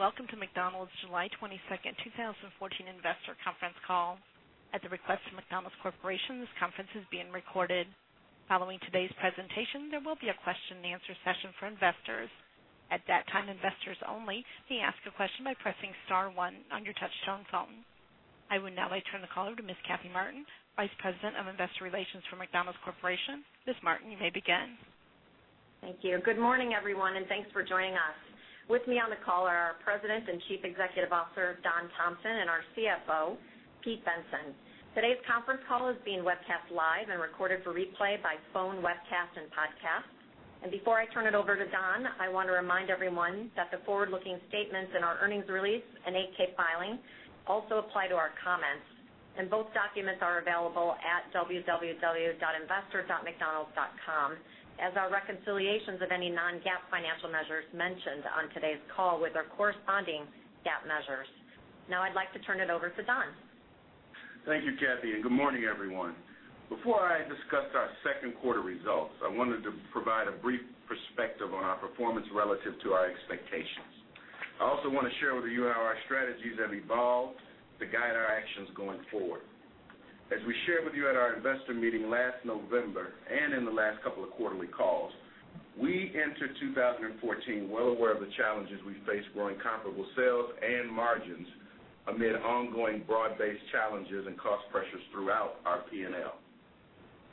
Welcome to McDonald's July 22nd, 2014 investor conference call. At the request of McDonald's Corporation, this conference is being recorded. Following today's presentation, there will be a question and answer session for investors. At that time, investors only may ask a question by pressing star one on your touch-tone phone. I would now like to turn the call over to Ms. Kathy Martin, Vice President of Investor Relations for McDonald's Corporation. Ms. Martin, you may begin. Thank you. Good morning, everyone, Thanks for joining us. With me on the call are our President and Chief Executive Officer, Don Thompson, and our CFO, Pete Bensen. Today's conference call is being webcast live and recorded for replay by phone, webcast, and podcast. Before I turn it over to Don, I want to remind everyone that the forward-looking statements in our earnings release and 8-K filing also apply to our comments, and both documents are available at investor.mcdonalds.com as are reconciliations of any non-GAAP financial measures mentioned on today's call with our corresponding GAAP measures. Now I'd like to turn it over to Don. Thank you, Kathy, Good morning, everyone. Before I discuss our second quarter results, I wanted to provide a brief perspective on our performance relative to our expectations. I also want to share with you how our strategies have evolved to guide our actions going forward. As we shared with you at our investor meeting last November, and in the last couple of quarterly calls, we entered 2014 well aware of the challenges we face growing comparable sales and margins amid ongoing broad-based challenges and cost pressures throughout our P&L.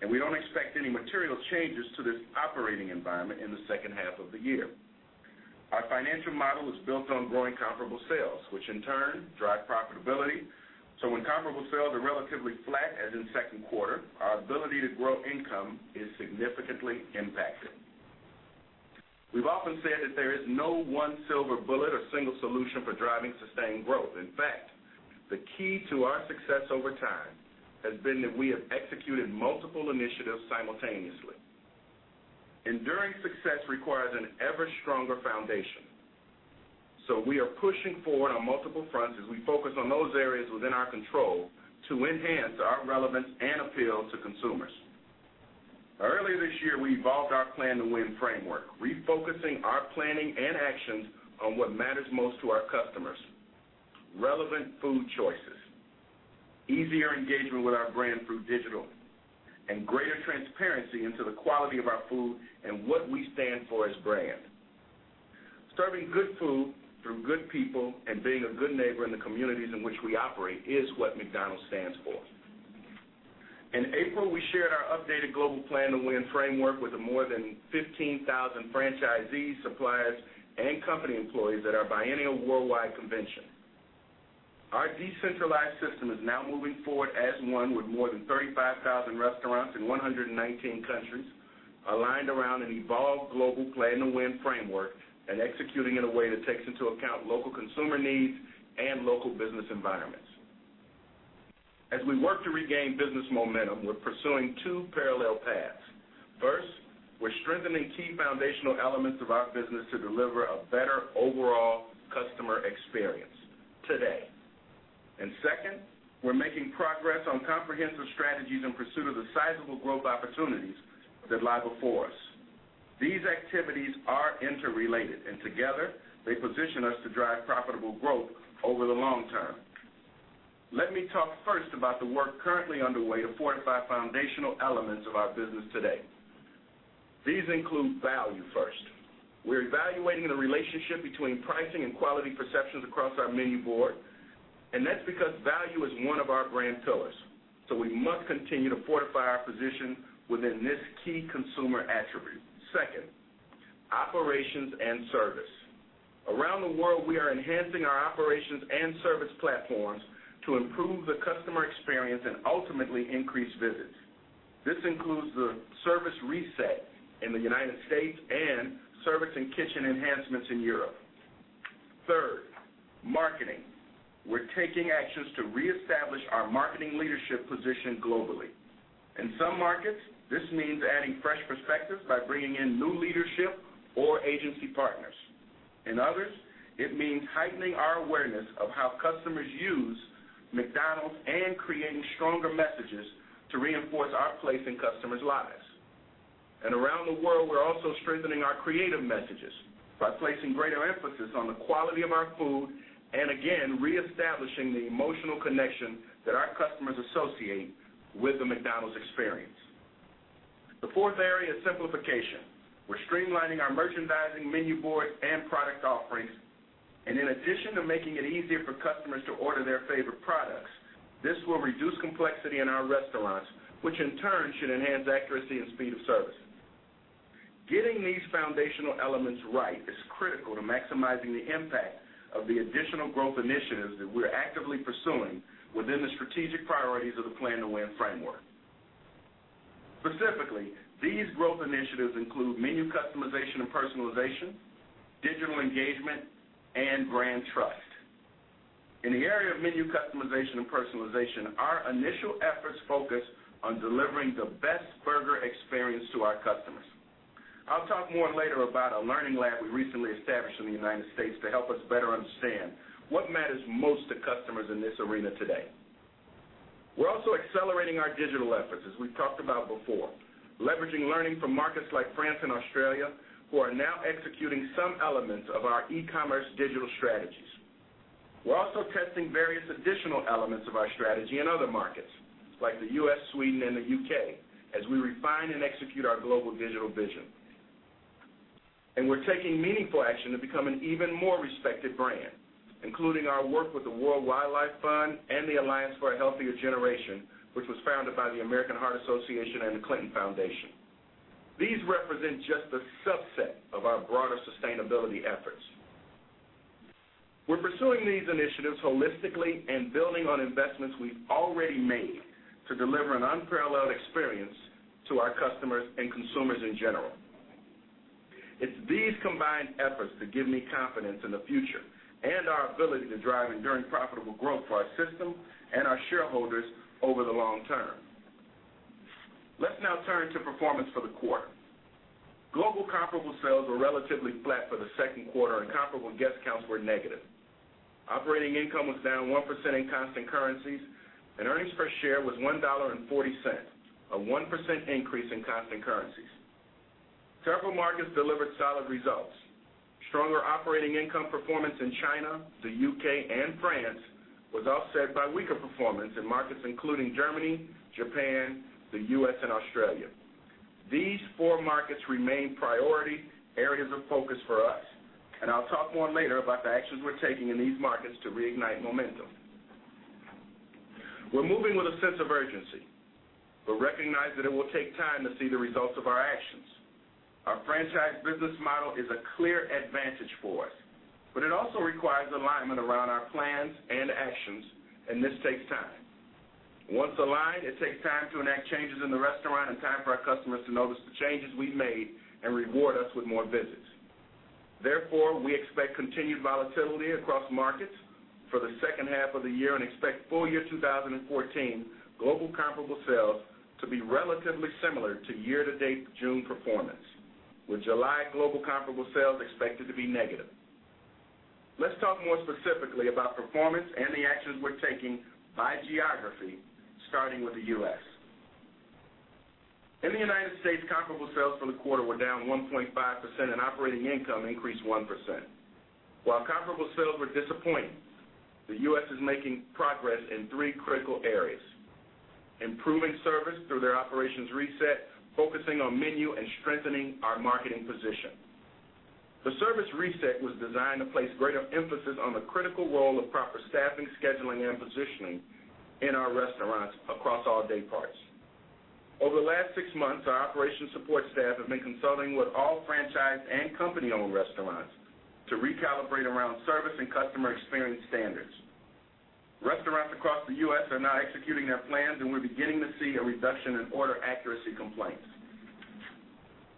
We don't expect any material changes to this operating environment in the second half of the year. Our financial model is built on growing comparable sales, which in turn drive profitability. When comparable sales are relatively flat, as in the second quarter, our ability to grow income is significantly impacted. We've often said that there is no one silver bullet or single solution for driving sustained growth. In fact, the key to our success over time has been that we have executed multiple initiatives simultaneously. Enduring success requires an ever-stronger foundation. We are pushing forward on multiple fronts as we focus on those areas within our control to enhance our relevance and appeal to consumers. Earlier this year, we evolved our Plan to Win framework, refocusing our planning and actions on what matters most to our customers: relevant food choices, easier engagement with our brand through digital, and greater transparency into the quality of our food and what we stand for as a brand. Serving good food through good people and being a good neighbor in the communities in which we operate is what McDonald's stands for. In April, we shared our updated global Plan to Win framework with the more than 15,000 franchisees, suppliers, and company employees at our biennial worldwide convention. Our decentralized system is now moving forward as one with more than 35,000 restaurants in 119 countries, aligned around an evolved global Plan to Win framework and executing in a way that takes into account local consumer needs and local business environments. As we work to regain business momentum, we're pursuing two parallel paths. First, we're strengthening key foundational elements of our business to deliver a better overall customer experience today. Second, we're making progress on comprehensive strategies in pursuit of the sizable growth opportunities that lie before us. These activities are interrelated, and together they position us to drive profitable growth over the long term. Let me talk first about the work currently underway to fortify foundational elements of our business today. These include value first. We're evaluating the relationship between pricing and quality perceptions across our menu board, that's because value is one of our brand pillars. We must continue to fortify our position within this key consumer attribute. Second, operations and service. Around the world, we are enhancing our operations and service platforms to improve the customer experience and ultimately increase visits. This includes the service reset in the U.S. and service and kitchen enhancements in Europe. Third, marketing. We're taking actions to reestablish our marketing leadership position globally. In some markets, this means adding fresh perspectives by bringing in new leadership or agency partners. In others, it means heightening our awareness of how customers use McDonald's and creating stronger messages to reinforce our place in customers' lives. Around the world, we're also strengthening our creative messages by placing greater emphasis on the quality of our food and again, reestablishing the emotional connection that our customers associate with the McDonald's experience. The fourth area is simplification. We're streamlining our merchandising menu board and product offerings. In addition to making it easier for customers to order their favorite products, this will reduce complexity in our restaurants, which in turn should enhance accuracy and speed of service. Getting these foundational elements right is critical to maximizing the impact of the additional growth initiatives that we're actively pursuing within the strategic priorities of the Plan to Win framework. Specifically, these growth initiatives include menu customization and personalization, digital engagement, and brand trust. In the area of menu customization and personalization, our initial efforts focus on delivering the best burger experience to our customers. I'll talk more later about a learning lab we recently established in the U.S. to help us better understand what matters most to customers in this arena today. We're also accelerating our digital efforts, as we've talked about before. Leveraging learning from markets like France and Australia, who are now executing some elements of our e-commerce digital strategies. We're also testing various additional elements of our strategy in other markets, like the U.S., Sweden, and the U.K., as we refine and execute our global digital vision. We're taking meaningful action to become an even more respected brand, including our work with the World Wildlife Fund and the Alliance for a Healthier Generation, which was founded by the American Heart Association and the Clinton Foundation. These represent just a subset of our broader sustainability efforts. We're pursuing these initiatives holistically and building on investments we've already made to deliver an unparalleled experience to our customers and consumers in general. It's these combined efforts that give me confidence in the future and our ability to drive enduring profitable growth for our system and our shareholders over the long term. Let's now turn to performance for the quarter. Global comparable sales were relatively flat for the second quarter, and comparable guest counts were negative. Operating income was down 1% in constant currencies, and earnings per share was $1.40, a 1% increase in constant currencies. Several markets delivered solid results. Stronger operating income performance in China, the U.K., and France was offset by weaker performance in markets including Germany, Japan, the U.S., and Australia. These four markets remain priority areas of focus for us. I'll talk more later about the actions we're taking in these markets to reignite momentum. We're moving with a sense of urgency, but recognize that it will take time to see the results of our actions. Our franchise business model is a clear advantage for us, but it also requires alignment around our plans and actions. This takes time. Once aligned, it takes time to enact changes in the restaurant and time for our customers to notice the changes we've made and reward us with more visits. Therefore, we expect continued volatility across markets for the second half of the year and expect full year 2014 global comparable sales to be relatively similar to year-to-date June performance, with July global comparable sales expected to be negative. Let's talk more specifically about performance and the actions we're taking by geography, starting with the U.S. In the United States, comparable sales for the quarter were down 1.5%. Operating income increased 1%. While comparable sales were disappointing, the U.S. is making progress in three critical areas: improving service through their operations reset, focusing on menu, and strengthening our marketing position. The service reset was designed to place greater emphasis on the critical role of proper staffing, scheduling, and positioning in our restaurants across all day parts. Over the last six months, our operation support staff have been consulting with all franchise and company-owned restaurants to recalibrate around service and customer experience standards. Restaurants across the U.S. are now executing their plans, and we're beginning to see a reduction in order accuracy complaints.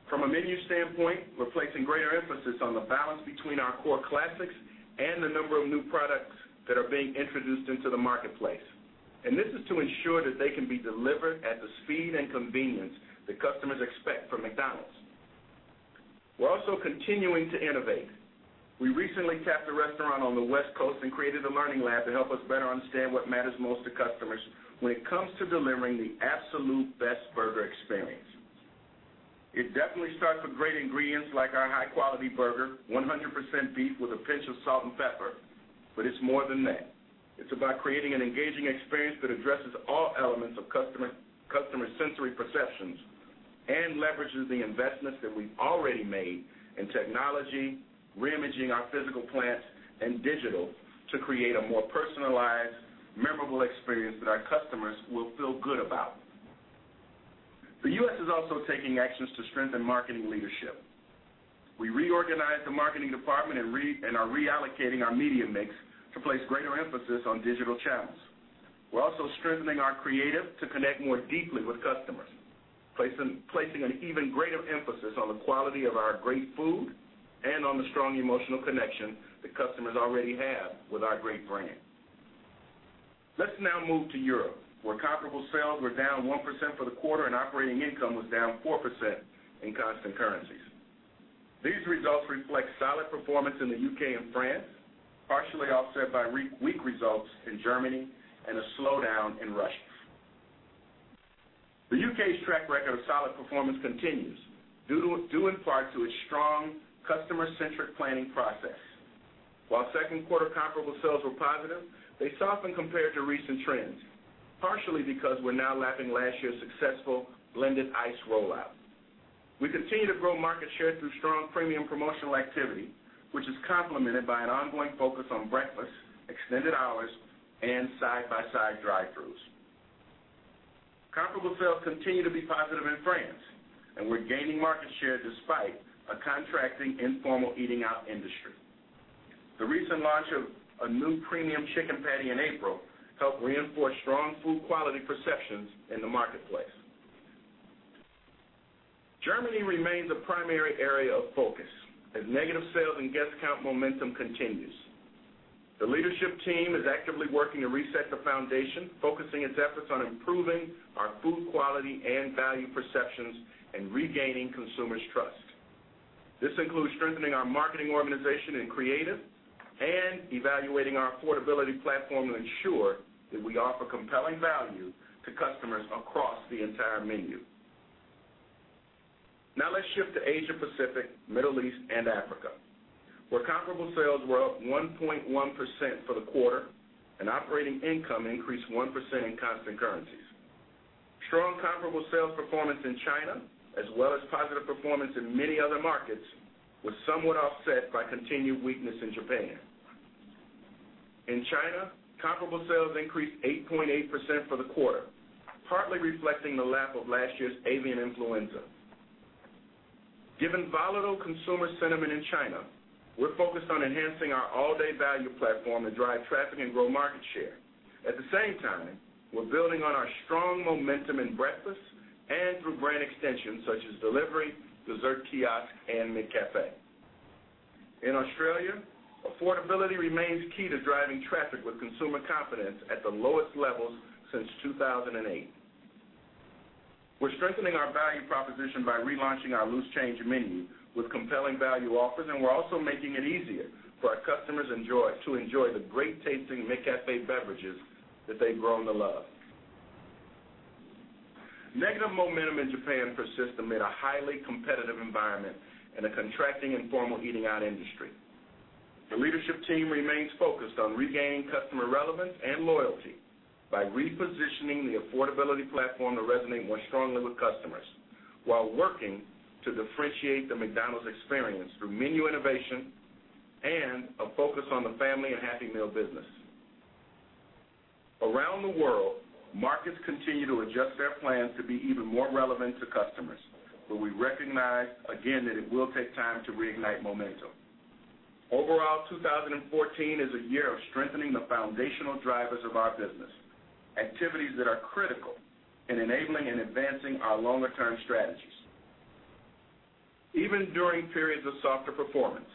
From a menu standpoint, we're placing greater emphasis on the balance between our core classics and the number of new products that are being introduced into the marketplace. This is to ensure that they can be delivered at the speed and convenience that customers expect from McDonald's. We're also continuing to innovate. We recently tapped a restaurant on the West Coast and created a learning lab to help us better understand what matters most to customers when it comes to delivering the absolute best burger experience. It definitely starts with great ingredients like our high-quality burger, 100% beef with a pinch of salt and pepper. It's more than that. It's about creating an engaging experience that addresses all elements of customer sensory perceptions and leverages the investments that we've already made in technology, reimaging our physical plants, and digital to create a more personalized, memorable experience that our customers will feel good about. The U.S. is also taking actions to strengthen marketing leadership. We reorganized the marketing department and are reallocating our media mix to place greater emphasis on digital channels. We're also strengthening our creative to connect more deeply with customers, placing an even greater emphasis on the quality of our great food and on the strong emotional connection that customers already have with our great brand. Let's now move to Europe, where comparable sales were down 1% for the quarter and operating income was down 4% in constant currencies. These results reflect solid performance in the U.K. and France, partially offset by weak results in Germany and a slowdown in Russia. The U.K.'s track record of solid performance continues, due in part to its strong customer-centric planning process. While second quarter comparable sales were positive, they softened compared to recent trends, partially because we're now lapping last year's successful blended ice rollout. We continue to grow market share through strong premium promotional activity, which is complemented by an ongoing focus on breakfast, extended hours, and side-by-side drive-throughs. Comparable sales continue to be positive in France, and we're gaining market share despite a contracting informal eating out industry. The recent launch of a new premium chicken patty in April helped reinforce strong food quality perceptions in the marketplace. Germany remains a primary area of focus, as negative sales and guest count momentum continues. The leadership team is actively working to reset the foundation, focusing its efforts on improving our food quality and value perceptions and regaining consumers' trust. This includes strengthening our marketing organization in creative and evaluating our affordability platform to ensure that we offer compelling value to customers across the entire menu. Now let's shift to Asia/Pacific, Middle East and Africa, where comparable sales were up 1.1% for the quarter and operating income increased 1% in constant currencies. Strong comparable sales performance in China, as well as positive performance in many other markets, was somewhat offset by continued weakness in Japan. In China, comparable sales increased 8.8% for the quarter, partly reflecting the lap of last year's avian influenza. Given volatile consumer sentiment in China, we're focused on enhancing our all-day value platform to drive traffic and grow market share. At the same time, we're building on our strong momentum in breakfast and through brand extensions such as delivery, dessert kiosk, and McCafé. In Australia, affordability remains key to driving traffic with consumer confidence at the lowest levels since 2008. We're strengthening our value proposition by relaunching our Loose Change menu with compelling value offers, and we're also making it easier for our customers to enjoy the great tasting McCafé beverages that they've grown to love. Negative momentum in Japan persists amid a highly competitive environment and a contracting informal eating out industry. The leadership team remains focused on regaining customer relevance and loyalty by repositioning the affordability platform to resonate more strongly with customers while working to differentiate the McDonald's experience through menu innovation and a focus on the family and Happy Meal business. Around the world, markets continue to adjust their plans to be even more relevant to customers. We recognize again that it will take time to reignite momentum. Overall, 2014 is a year of strengthening the foundational drivers of our business, activities that are critical in enabling and advancing our longer-term strategies. Even during periods of softer performance,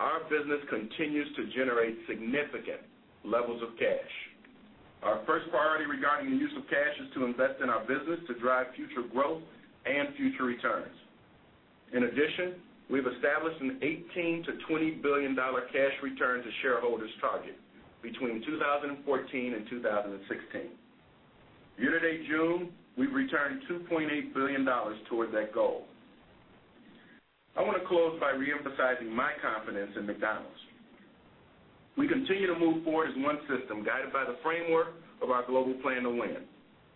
our business continues to generate significant levels of cash. Our first priority regarding the use of cash is to invest in our business to drive future growth and future returns. In addition, we've established an $18 billion-$20 billion cash return to shareholders target between 2014 and 2016. Year-to-date June, we've returned $2.8 billion towards that goal. I want to close by reemphasizing my confidence in McDonald's. We continue to move forward as one system guided by the framework of our global Plan to Win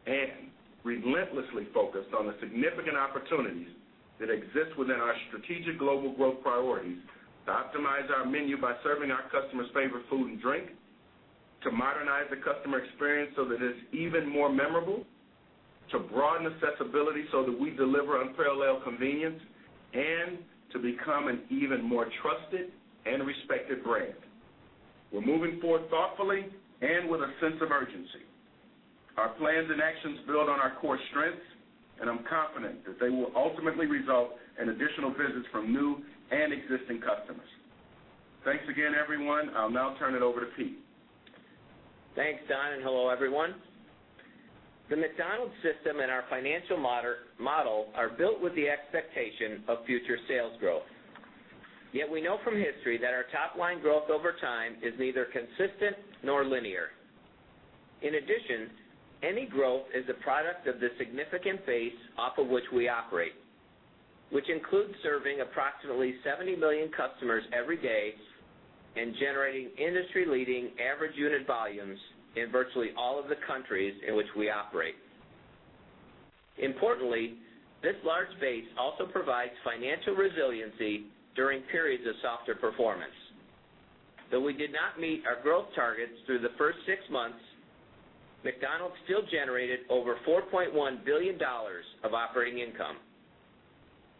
and relentlessly focused on the significant opportunities that exist within our strategic global growth priorities to optimize our menu by serving our customers' favorite food and drink, to modernize the customer experience so that it's even more memorable, to broaden accessibility so that we deliver unparalleled convenience, and to become an even more trusted and respected brand. We're moving forward thoughtfully and with a sense of urgency. Our plans and actions build on our core strengths, and I'm confident that they will ultimately result in additional visits from new and existing customers. Thanks again, everyone. I'll now turn it over to Pete. Thanks, Don, and hello, everyone. The McDonald's system and our financial model are built with the expectation of future sales growth. We know from history that our top-line growth over time is neither consistent nor linear. In addition, any growth is a product of the significant base off of which we operate, which includes serving approximately 70 million customers every day and generating industry-leading average unit volumes in virtually all of the countries in which we operate. Importantly, this large base also provides financial resiliency during periods of softer performance. Though we did not meet our growth targets through the first six months, McDonald's still generated over $4.1 billion of operating income.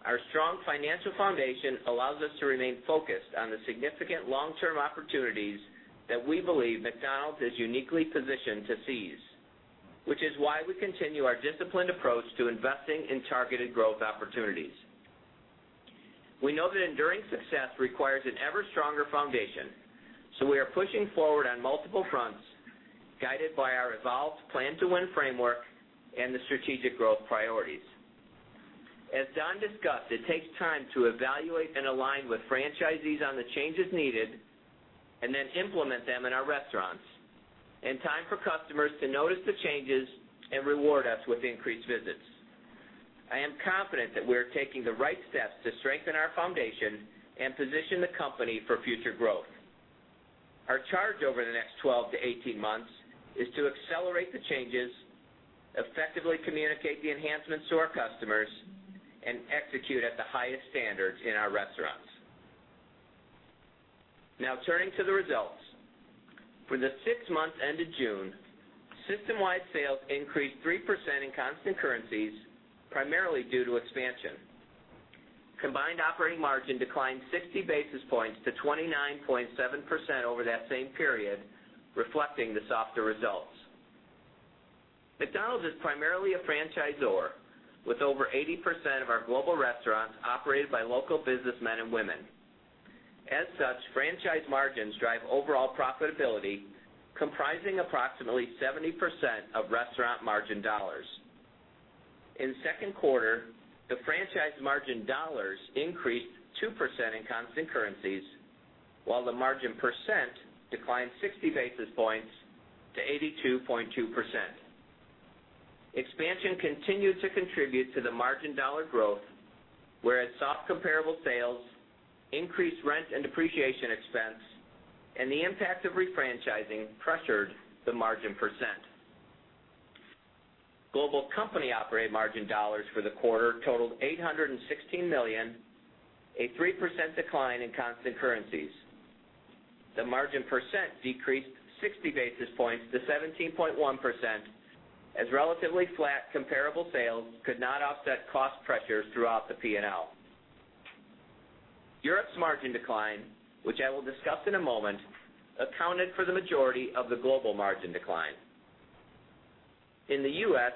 Our strong financial foundation allows us to remain focused on the significant long-term opportunities that we believe McDonald's is uniquely positioned to seize, which is why we continue our disciplined approach to investing in targeted growth opportunities. We know that enduring success requires an ever-stronger foundation. We are pushing forward on multiple fronts, guided by our evolved Plan to Win framework and the strategic growth priorities. As Don discussed, it takes time to evaluate and align with franchisees on the changes needed and then implement them in our restaurants, and time for customers to notice the changes and reward us with increased visits. I am confident that we are taking the right steps to strengthen our foundation and position the company for future growth. Our charge over the next 12 to 18 months is to accelerate the changes, effectively communicate the enhancements to our customers, and execute at the highest standards in our restaurants. Now turning to the results. For the six months ended June, system-wide sales increased 3% in constant currencies, primarily due to expansion. Combined operating margin declined 60 basis points to 29.7% over that same period, reflecting the softer results. McDonald's is primarily a franchisor with over 80% of our global restaurants operated by local businessmen and women. As such, franchise margins drive overall profitability, comprising approximately 70% of restaurant margin dollars. In second quarter, the franchise margin dollars increased 2% in constant currencies, while the margin percent declined 60 basis points to 82.2%. Expansion continued to contribute to the margin dollar growth, whereas soft comparable sales increased rent and depreciation expense, and the impact of refranchising pressured the margin percent. Global company-operated margin dollars for the quarter totaled $816 million, a 3% decline in constant currencies. The margin percent decreased 60 basis points to 17.1% as relatively flat comparable sales could not offset cost pressures throughout the P&L. Europe's margin decline, which I will discuss in a moment, accounted for the majority of the global margin decline. In the U.S.,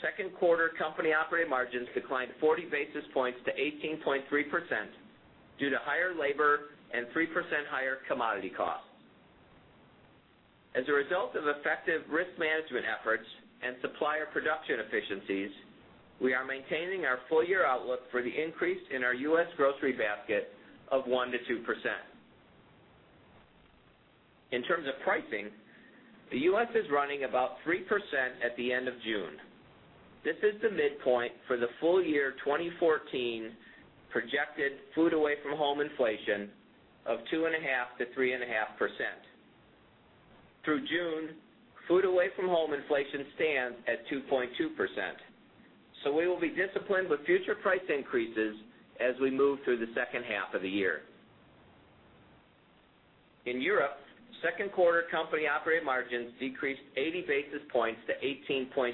second quarter company-operated margins declined 40 basis points to 18.3% due to higher labor and 3% higher commodity costs. As a result of effective risk management efforts and supplier production efficiencies, we are maintaining our full-year outlook for the increase in our U.S. grocery basket of 1%-2%. In terms of pricing, the U.S. is running about 3% at the end of June. This is the midpoint for the full year 2014 projected food away from home inflation of 2.5%-3.5%. Through June, food away from home inflation stands at 2.2%. We will be disciplined with future price increases as we move through the second half of the year. In Europe, second quarter company-operated margins decreased 80 basis points to 18.6%,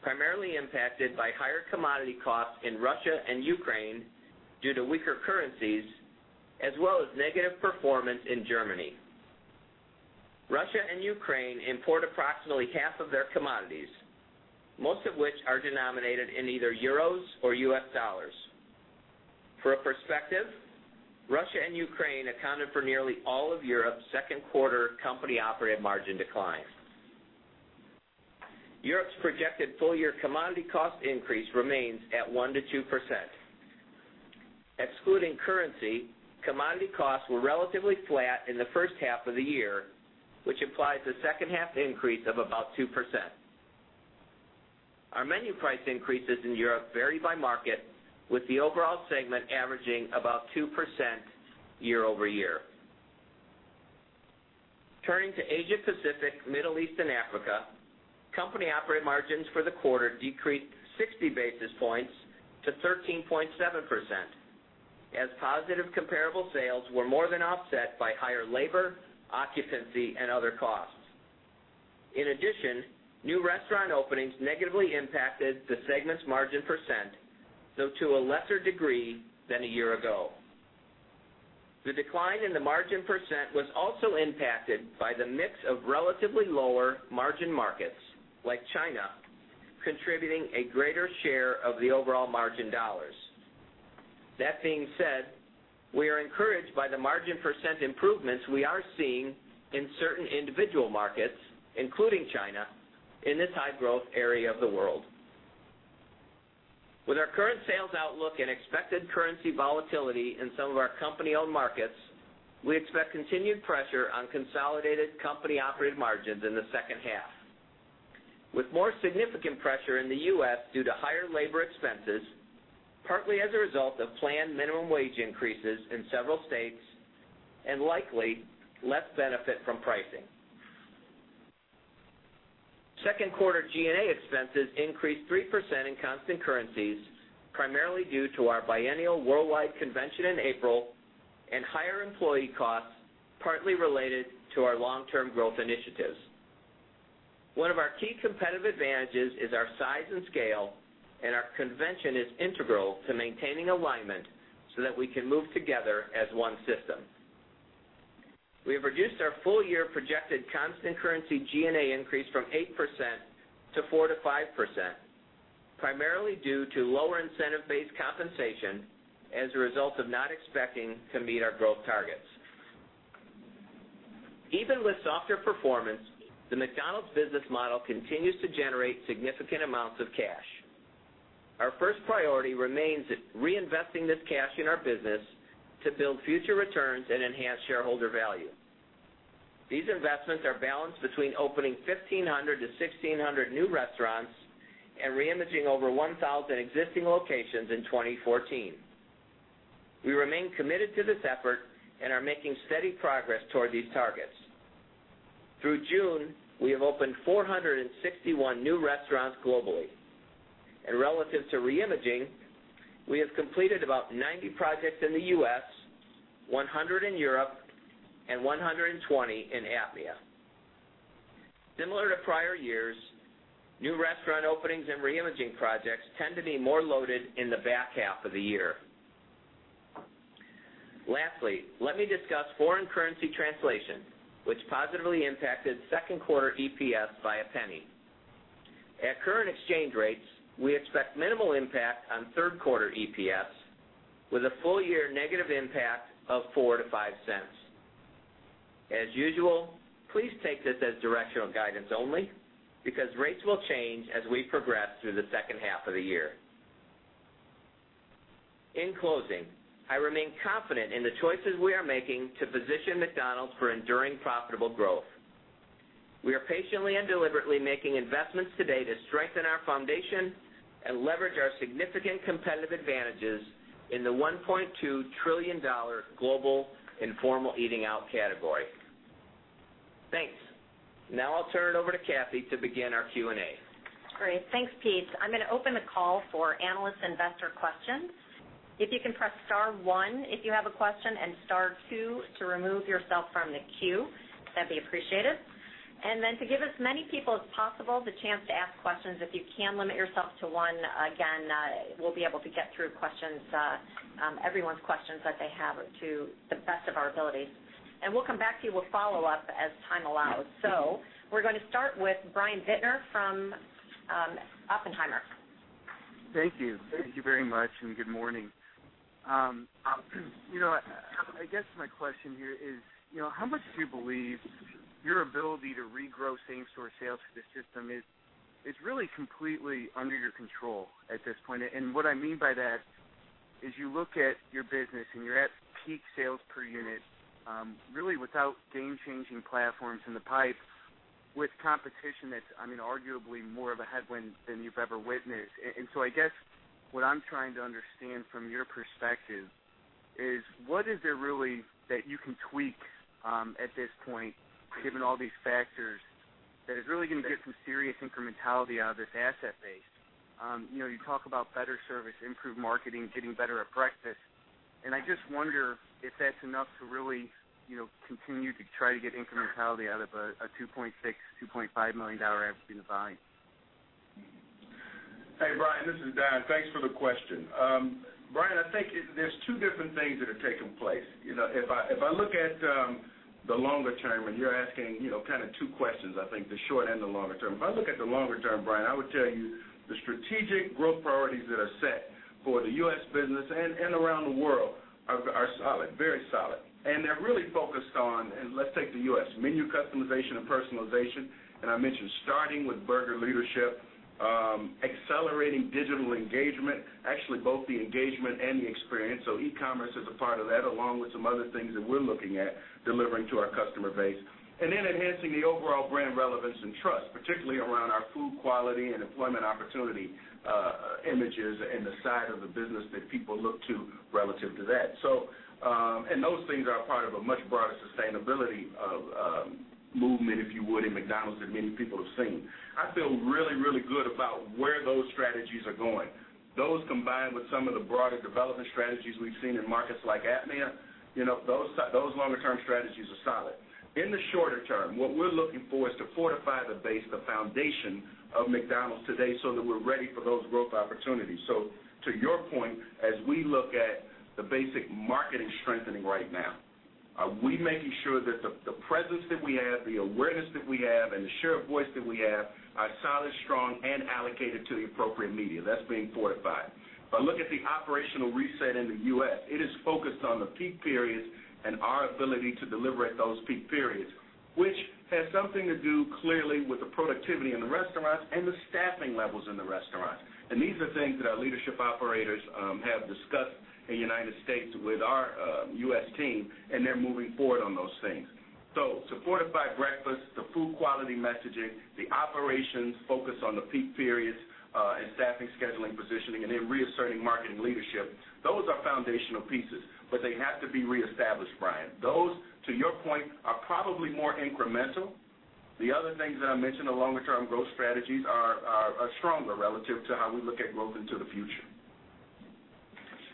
primarily impacted by higher commodity costs in Russia and Ukraine due to weaker currencies, as well as negative performance in Germany. Russia and Ukraine import approximately half of their commodities, most of which are denominated in either euros or U.S. dollars. For a perspective, Russia and Ukraine accounted for nearly all of Europe's second quarter company-operated margin decline. Europe's projected full-year commodity cost increase remains at 1%-2%. Excluding currency, commodity costs were relatively flat in the first half of the year, which implies a second half increase of about 2%. Our menu price increases in Europe vary by market, with the overall segment averaging about 2% year-over-year. Turning to Asia/Pacific, Middle East and Africa, company-operated margins for the quarter decreased 60 basis points to 13.7%, as positive comparable sales were more than offset by higher labor, occupancy, and other costs. In addition, new restaurant openings negatively impacted the segment's margin percent, though to a lesser degree than a year ago. The decline in the margin percent was also impacted by the mix of relatively lower margin markets, like China, contributing a greater share of the overall margin dollars. That being said, we are encouraged by the margin percent improvements we are seeing in certain individual markets, including China, in this high-growth area of the world. With our current sales outlook and expected currency volatility in some of our company-owned markets, we expect continued pressure on consolidated company-operated margins in the second half. With more significant pressure in the U.S. due to higher labor expenses, partly as a result of planned minimum wage increases in several states, and likely less benefit from pricing. Second quarter G&A expenses increased 3% in constant currencies, primarily due to our biennial worldwide convention in April and higher employee costs, partly related to our long-term growth initiatives. One of our key competitive advantages is our size and scale, and our convention is integral to maintaining alignment so that we can move together as one system. We have reduced our full-year projected constant currency G&A increase from 8% to 4%-5%, primarily due to lower incentive-based compensation as a result of not expecting to meet our growth targets. Even with softer performance, the McDonald's business model continues to generate significant amounts of cash. Our first priority remains reinvesting this cash in our business to build future returns and enhance shareholder value. These investments are balanced between opening 1,500 to 1,600 new restaurants and reimaging over 1,000 existing locations in 2014. We remain committed to this effort and are making steady progress toward these targets. Through June, we have opened 461 new restaurants globally. Relative to reimaging, we have completed about 90 projects in the U.S., 100 in Europe, and 120 in APMEA. Similar to prior years, new restaurant openings and reimaging projects tend to be more loaded in the back half of the year. Lastly, let me discuss foreign currency translation, which positively impacted second quarter EPS by $0.01. At current exchange rates, we expect minimal impact on third quarter EPS, with a full year negative impact of $0.04-$0.05. As usual, please take this as directional guidance only, because rates will change as we progress through the second half of the year. In closing, I remain confident in the choices we are making to position McDonald's for enduring profitable growth. We are patiently and deliberately making investments today to strengthen our foundation and leverage our significant competitive advantages in the $1.2 trillion global informal eating out category. Thanks. Now I’ll turn it over to Kathy to begin our Q&A. Great. Thanks, Pete. I’m going to open the call for analyst and investor questions. If you can press star one if you have a question, and star two to remove yourself from the queue, that'd be appreciated. To give as many people as possible the chance to ask questions, if you can limit yourself to one, again, we’ll be able to get through everyone’s questions that they have to the best of our ability. We’ll come back to you with follow-up as time allows. We’re going to start with Brian Bittner from Oppenheimer. Thank you. Thank you very much, good morning. I guess my question here is, how much do you believe your ability to regrow same store sales to the system is really completely under your control at this point? What I mean by that is you look at your business and you’re at peak sales per unit, really without game-changing platforms in the pipe with competition that’s arguably more of a headwind than you’ve ever witnessed. I guess what I’m trying to understand from your perspective is what is there really that you can tweak at this point, given all these factors, that is really going to get some serious incrementality out of this asset base? You talk about better service, improved marketing, getting better at breakfast. I just wonder if that’s enough to really continue to try to get incrementality out of a $2.6, $2.5 million average unit volume. Hey, Brian, this is Don. Thanks for the question. Brian, I think there’s two different things that have taken place. If I look at the longer term, you’re asking kind of two questions I think, the short and the longer term. If I look at the longer term, Brian, I would tell you the strategic growth priorities that are set for the U.S. business and around the world are solid, very solid. They’re really focused on, let’s take the U.S., menu customization and personalization. I mentioned starting with burger leadership, accelerating digital engagement, actually both the engagement and the experience. E-commerce is a part of that, along with some other things that we’re looking at delivering to our customer base. Enhancing the overall brand relevance and trust, particularly around our food quality and employment opportunity images and the side of the business that people look to relative to that. Those things are part of a much broader sustainability movement, if you would, in McDonald’s that many people have seen. I feel really, really good about where those strategies are going. Those combined with some of the broader development strategies we’ve seen in markets like APMEA, those longer-term strategies are solid. In the shorter term, what we’re looking for is to fortify the base, the foundation of McDonald’s today, so that we’re ready for those growth opportunities. To your point, as we look at the basic marketing strengthening right now, are we making sure that the presence that we have, the awareness that we have, and the share of voice that we have are solid, strong, and allocated to the appropriate media? That’s being fortified. If I look at the operational reset in the U.S., it is focused on the peak periods and our ability to deliver at those peak periods, which has something to do, clearly, with the productivity in the restaurants and the staffing levels in the restaurants. These are things that our leadership operators have discussed in the United States with our U.S. team, and they’re moving forward on those things. To fortify breakfast, the food quality messaging, the operations focused on the peak periods and staffing scheduling positioning, and then reasserting marketing leadership, those are foundational pieces. They have to be reestablished, Brian. Those, to your point, are probably more incremental. The other things that I mentioned, the longer-term growth strategies, are stronger relative to how we look at growth into the future.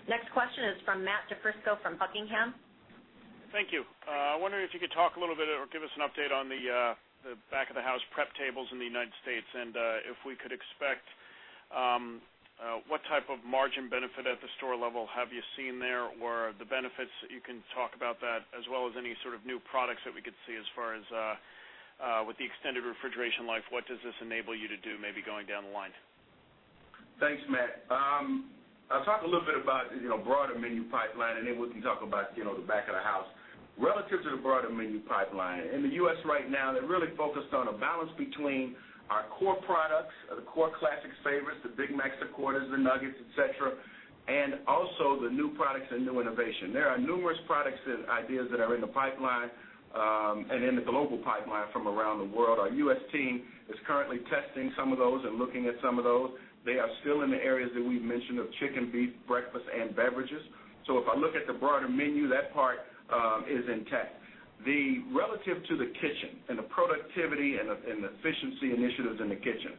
Next question is from Matt DiFrisco from Buckingham. Thank you. I wonder if you could talk a little bit, or give us an update on the back of the house prep tables in the United States. If we could expect what type of margin benefit at the store level have you seen there, or the benefits that you can talk about that, as well as any sort of new products that we could see as far as with the extended refrigeration life, what does this enable you to do maybe going down the line? Thanks, Matt. I’ll talk a little bit about the broader menu pipeline, then we can talk about the back of the house. Relative to the broader menu pipeline, in the U.S. right now, they’re really focused on a balance between our core products, the core classic favorites, the Big Macs, the Quarter Pounders, the nuggets, et cetera, and also the new products and new innovation. There are numerous products and ideas that are in the pipeline and in the global pipeline from around the world. Our U.S. team is currently testing some of those and looking at some of those. They are still in the areas that we’ve mentioned of chicken, beef, breakfast, and beverages. If I look at the broader menu, that part is intact. Relative to the kitchen and the productivity and the efficiency initiatives in the kitchen,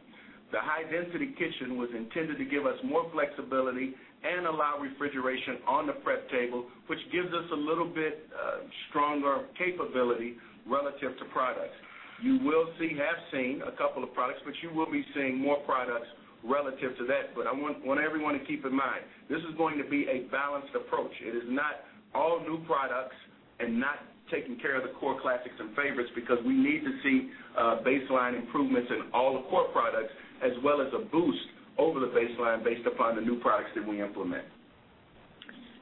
the high-density kitchen was intended to give us more flexibility and allow refrigeration on the prep table, which gives us a little bit stronger capability relative to products. You have seen a couple of products, but you will be seeing more products relative to that. I want everyone to keep in mind, this is going to be a balanced approach. It is not all new products and not taking care of the core classics and favorites, because we need to see baseline improvements in all the core products, as well as a boost over the baseline based upon the new products that we implement.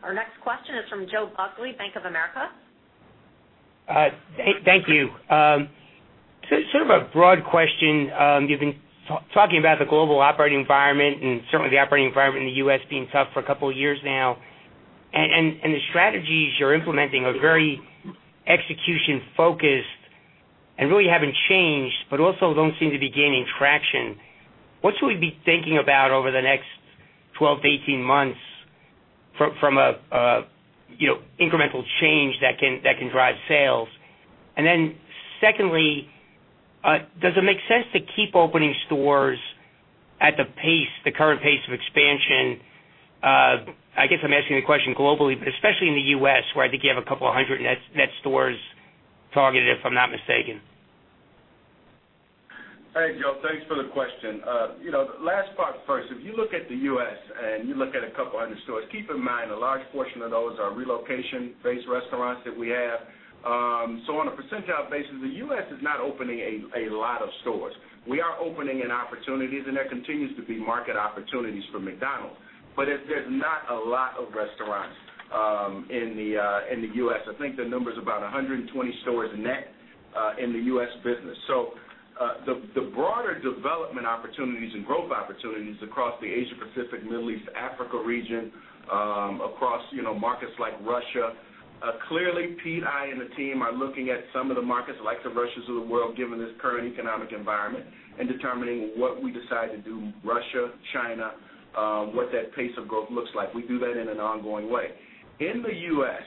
Our next question is from Joe Buckley, Bank of America. Thank you. Sort of a broad question. You've been talking about the global operating environment and certainly the operating environment in the U.S. being tough for a couple of years now. The strategies you're implementing are very execution-focused and really haven't changed, but also don't seem to be gaining traction. What should we be thinking about over the next 12-18 months from an incremental change that can drive sales? Secondly, does it make sense to keep opening stores at the current pace of expansion? I guess I'm asking the question globally, but especially in the U.S., where I think you have a couple of hundred net stores targeted, if I'm not mistaken. Hey, Joe, thanks for the question. Last part first, if you look at the U.S. and you look at 200 stores, keep in mind a large portion of those are relocation-based restaurants that we have. On a percentile basis, the U.S. is not opening a lot of stores. We are opening in opportunities, and there continues to be market opportunities for McDonald's. There's not a lot of restaurants in the U.S. I think the number is about 120 stores net in the U.S. business. The broader development opportunities and growth opportunities across the Asia Pacific, Middle East, Africa region, across markets like Russia. Clearly, Pete, I, and the team are looking at some of the markets like the Russias of the world, given this current economic environment, and determining what we decide to do, Russia, China, what that pace of growth looks like. We do that in an ongoing way. In the U.S.,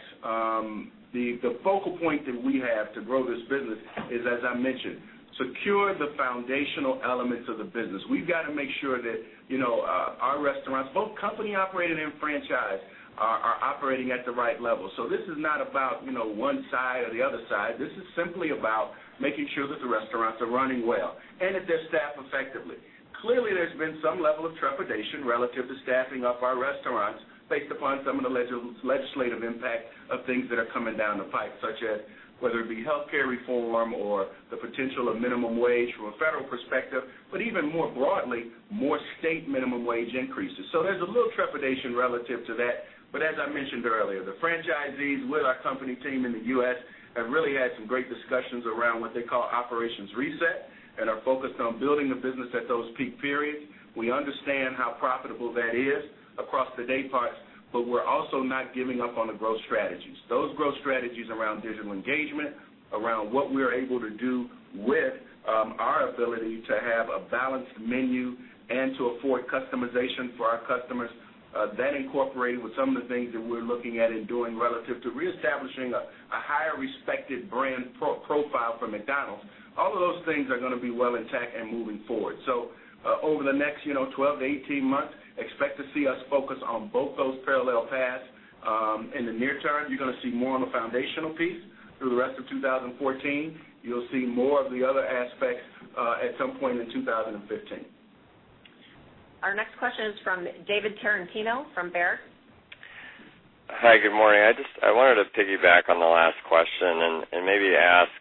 the focal point that we have to grow this business is, as I mentioned, secure the foundational elements of the business. We've got to make sure that our restaurants, both company-operated and franchise, are operating at the right level. This is not about one side or the other side. This is simply about making sure that the restaurants are running well and that they're staffed effectively. Clearly, there's been some level of trepidation relative to staffing up our restaurants based upon some of the legislative impact of things that are coming down the pipe, such as whether it be healthcare reform or the potential of minimum wage from a federal perspective, but even more broadly, more state minimum wage increases. There's a little trepidation relative to that. As I mentioned earlier, the franchisees with our company team in the U.S. have really had some great discussions around what they call operations reset and are focused on building the business at those peak periods. We understand how profitable that is across the day parts, but we're also not giving up on the growth strategies. Those growth strategies around digital engagement, around what we are able to do with our ability to have a balanced menu and to afford customization for our customers, then incorporated with some of the things that we're looking at and doing relative to reestablishing a higher respected brand profile for McDonald's. All of those things are going to be well intact and moving forward. Over the next 12-18 months, expect to see us focus on both those parallel paths. In the near term, you're going to see more on the foundational piece. Through the rest of 2014, you'll see more of the other aspects at some point in 2015. Our next question is from David Tarantino from Baird. Hi, good morning. I wanted to piggyback on the last question and maybe ask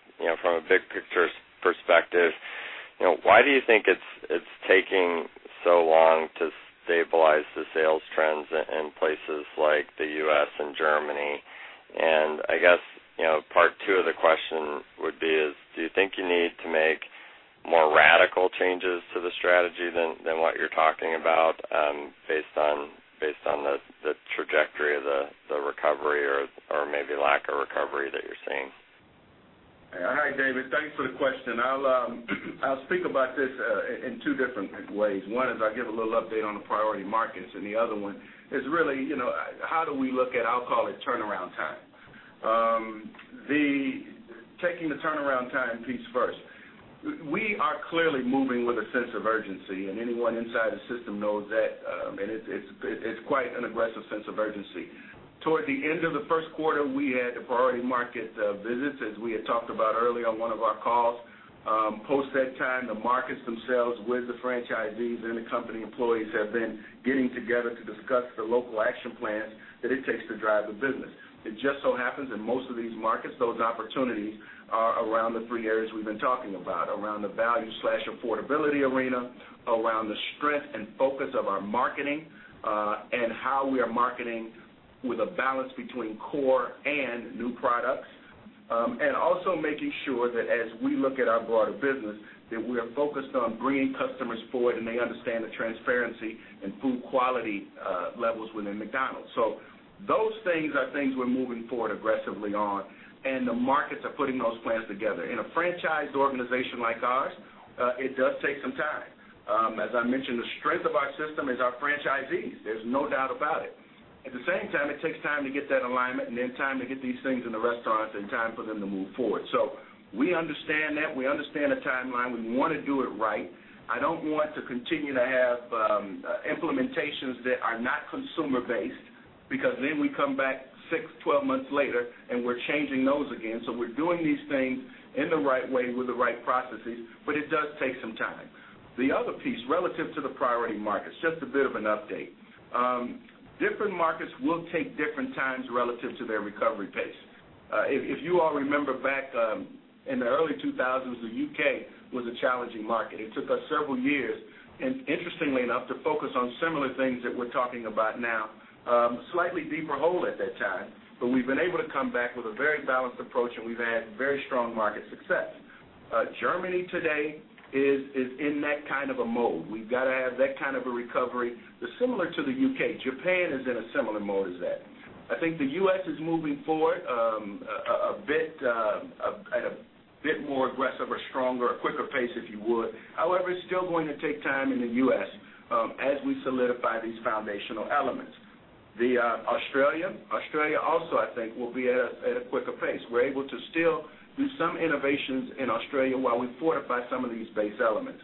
from a big-picture perspective, why do you think it's taking so long to stabilize the sales trends in places like the U.S. and Germany? I guess part two of the question would be, do you think you need to make more radical changes to the strategy than what you're talking about based on the trajectory of the recovery or maybe lack of recovery that you're seeing? Hi, David. Thanks for the question. I'll speak about this in two different ways. One is I give a little update on the priority markets, the other one is really how do we look at, I'll call it turnaround time. Taking the turnaround time piece first. We are clearly moving with a sense of urgency, and anyone inside the system knows that, it's quite an aggressive sense of urgency. Towards the end of the first quarter, we had the priority market visits, as we had talked about earlier on one of our calls. Post that time, the markets themselves with the franchisees and the company employees have been getting together to discuss the local action plans that it takes to drive the business. It just so happens in most of these markets, those opportunities are around the three areas we've been talking about. Around the value/affordability arena, around the strength and focus of our marketing, and how we are marketing with a balance between core and new products. Also making sure that as we look at our broader business, that we are focused on bringing customers forward and they understand the transparency and food quality levels within McDonald's. Those things are things we're moving forward aggressively on, and the markets are putting those plans together. In a franchised organization like ours, it does take some time. As I mentioned, the strength of our system is our franchisees. There's no doubt about it. At the same time, it takes time to get that alignment and then time to get these things in the restaurants and time for them to move forward. We understand that. We understand the timeline. We want to do it right. I don't want to continue to have implementations that are not consumer-based, because then we come back six, 12 months later, and we're changing those again. We're doing these things in the right way with the right processes, but it does take some time. The other piece, relative to the priority markets, just a bit of an update. Different markets will take different times relative to their recovery pace. If you all remember back in the early 2000s, the U.K. was a challenging market. It took us several years, and interestingly enough, to focus on similar things that we're talking about now. Slightly deeper hole at that time, but we've been able to come back with a very balanced approach, and we've had very strong market success. Germany today is in that kind of a mode. We've got to have that kind of a recovery. They're similar to the U.K. Japan is in a similar mode as that. I think the U.S. is moving forward at a bit more aggressive or stronger, a quicker pace, if you would. However, it's still going to take time in the U.S. as we solidify these foundational elements. Australia also, I think, will be at a quicker pace. We're able to still do some innovations in Australia while we fortify some of these base elements.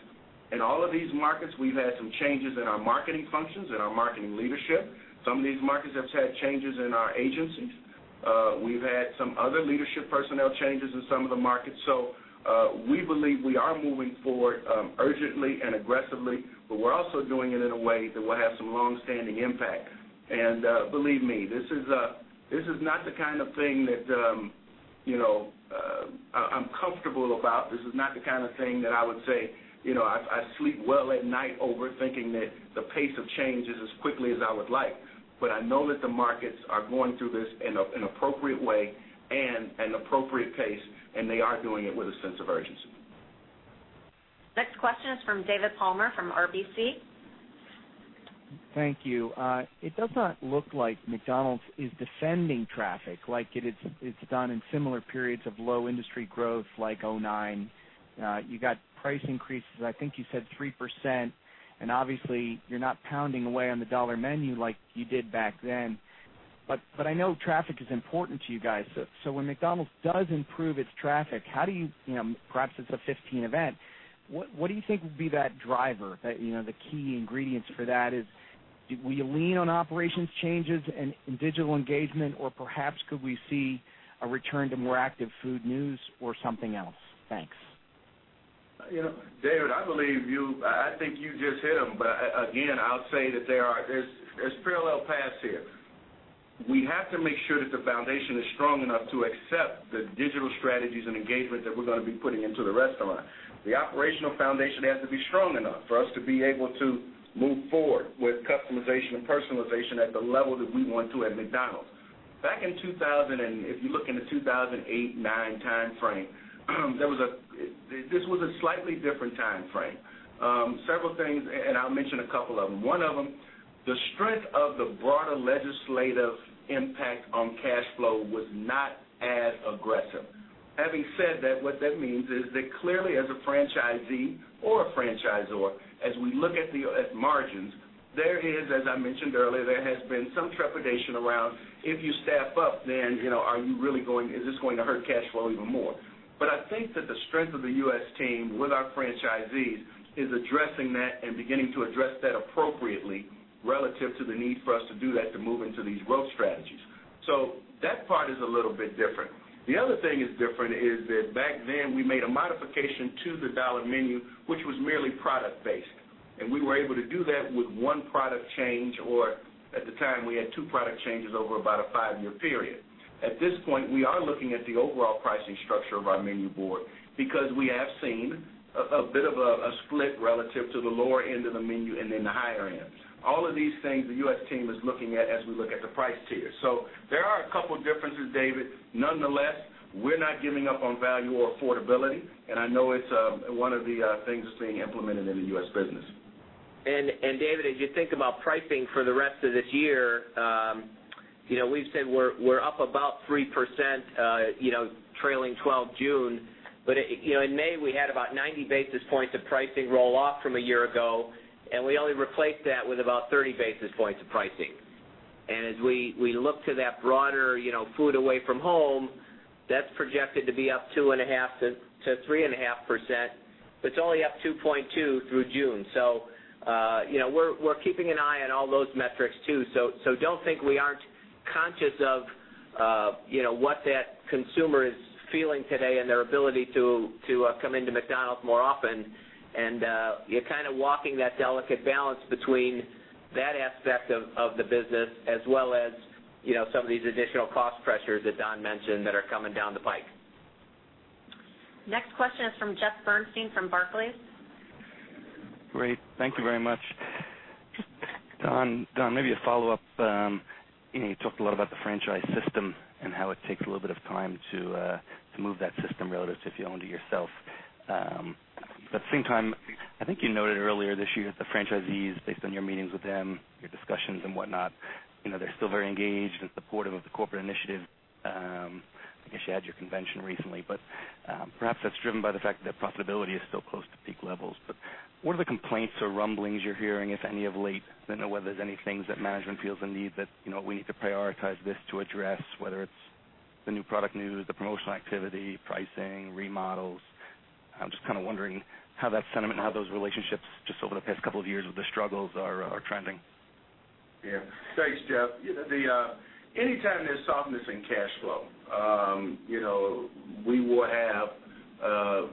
In all of these markets, we've had some changes in our marketing functions and our marketing leadership. Some of these markets have had changes in our agencies. We've had some other leadership personnel changes in some of the markets. We believe we are moving forward urgently and aggressively, but we're also doing it in a way that will have some longstanding impact. Believe me, this is not the kind of thing that I'm comfortable about. This is not the kind of thing that I would say I sleep well at night over, thinking that the pace of change is as quickly as I would like. I know that the markets are going through this in an appropriate way and an appropriate pace, and they are doing it with a sense of urgency. Next question is from David Palmer from RBC. Thank you. It does not look like McDonald's is defending traffic like it's done in similar periods of low industry growth, like 2009. You got price increases, I think you said 3%, and obviously, you're not pounding away on the Dollar Menu like you did back then. I know traffic is important to you guys. When McDonald's does improve its traffic, perhaps it's a 2015 event, what do you think would be that driver? The key ingredients for that is, will you lean on operations changes and digital engagement, or perhaps could we see a return to more active food news or something else? Thanks. David, I think you just hit them. Again, I'll say that there's parallel paths here. We have to make sure that the foundation is strong enough to accept the digital strategies and engagement that we're going to be putting into the restaurant. The operational foundation has to be strong enough for us to be able to move forward with customization and personalization at the level that we want to at McDonald's. Back in 2000, if you look in the 2008, 2009 timeframe, this was a slightly different timeframe. Several things, I'll mention a couple of them. One of them, the strength of the broader legislative impact on cash flow was not as aggressive. Having said that, what that means is that clearly as a franchisee or a franchisor, as we look at margins, as I mentioned earlier, there has been some trepidation around if you staff up, then is this going to hurt cash flow even more? I think that the strength of the U.S. team with our franchisees is addressing that and beginning to address that appropriately relative to the need for us to do that to move into these growth strategies. That part is a little bit different. The other thing that's different is that back then, we made a modification to the Dollar Menu, which was merely product-based. We were able to do that with one product change, or at the time, we had two product changes over about a five-year period. At this point, we are looking at the overall pricing structure of our menu board because we have seen a bit of a split relative to the lower end of the menu and then the higher end. All of these things, the U.S. team is looking at as we look at the price tier. There are a couple differences, David. Nonetheless, we're not giving up on value or affordability, and I know it's one of the things that's being implemented in the U.S. business. David, as you think about pricing for the rest of this year, we've said we're up about 3% trailing 12 June. In May, we had about 90 basis points of pricing roll off from a year ago, we only replaced that with about 30 basis points of pricing. As we look to that broader food away from home, that's projected to be up 2.5%-3.5%, but it's only up 2.2% through June. We're keeping an eye on all those metrics, too. Don't think we aren't conscious of what that consumer is feeling today and their ability to come into McDonald's more often. You're kind of walking that delicate balance between that aspect of the business as well as some of these additional cost pressures that Don mentioned that are coming down the pike. Next question is from Jeffrey Bernstein from Barclays. Great. Thank you very much. Don, maybe a follow-up. You talked a lot about the franchise system and how it takes a little bit of time to move that system relative to if you owned it yourself. At the same time, I think you noted earlier this year that the franchisees, based on your meetings with them, your discussions and whatnot, they're still very engaged and supportive of the corporate initiative. I guess you had your convention recently. Perhaps that's driven by the fact that profitability is still close to peak levels. What are the complaints or rumblings you're hearing, if any, of late? I don't know whether there's any things that management feels a need that we need to prioritize this to address, whether it's the new product news, the promotional activity, pricing, remodels. I'm just wondering how that sentiment and how those relationships, just over the past couple of years with the struggles, are trending. Yeah. Thanks, Jeff. Anytime there's softness in cash flow,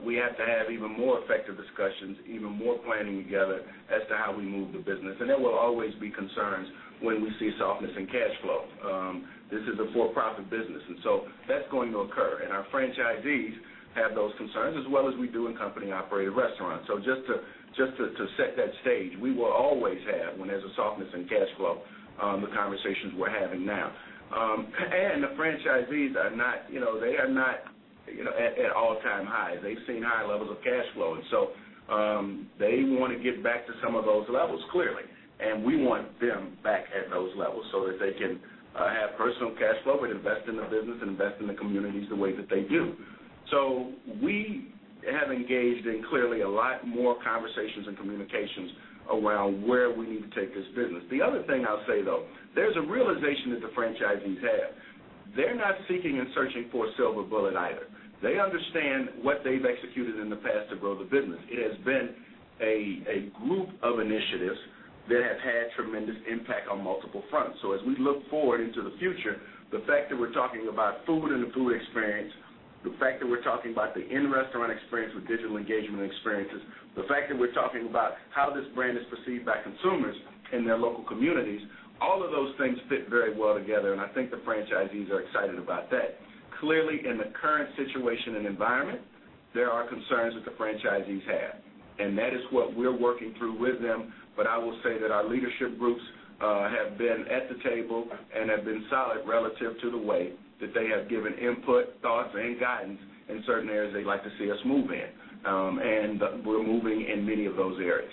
we have to have even more effective discussions, even more planning together as to how we move the business. There will always be concerns when we see softness in cash flow. This is a for-profit business, that's going to occur. Our franchisees have those concerns, as well as we do in company-operated restaurants. Just to set that stage, we will always have, when there's a softness in cash flow, the conversations we're having now. The franchisees are not at all-time highs. They've seen higher levels of cash flow. They want to get back to some of those levels, clearly. We want them back at those levels so that they can have personal cash flow, but invest in the business and invest in the communities the way that they do. We have engaged in, clearly, a lot more conversations and communications around where we need to take this business. The other thing I'll say, though, there's a realization that the franchisees have. They're not seeking and searching for a silver bullet either. They understand what they've executed in the past to grow the business. It has been a group of initiatives that have had tremendous impact on multiple fronts. As we look forward into the future, the fact that we're talking about food and the food experience, the fact that we're talking about the in-restaurant experience with digital engagement experiences, the fact that we're talking about how this brand is perceived by consumers in their local communities, all of those things fit very well together, and I think the franchisees are excited about that. Clearly, in the current situation and environment, there are concerns that the franchisees have, that is what we're working through with them. I will say that our leadership groups have been at the table and have been solid relative to the way that they have given input, thoughts, and guidance in certain areas they'd like to see us move in. We're moving in many of those areas.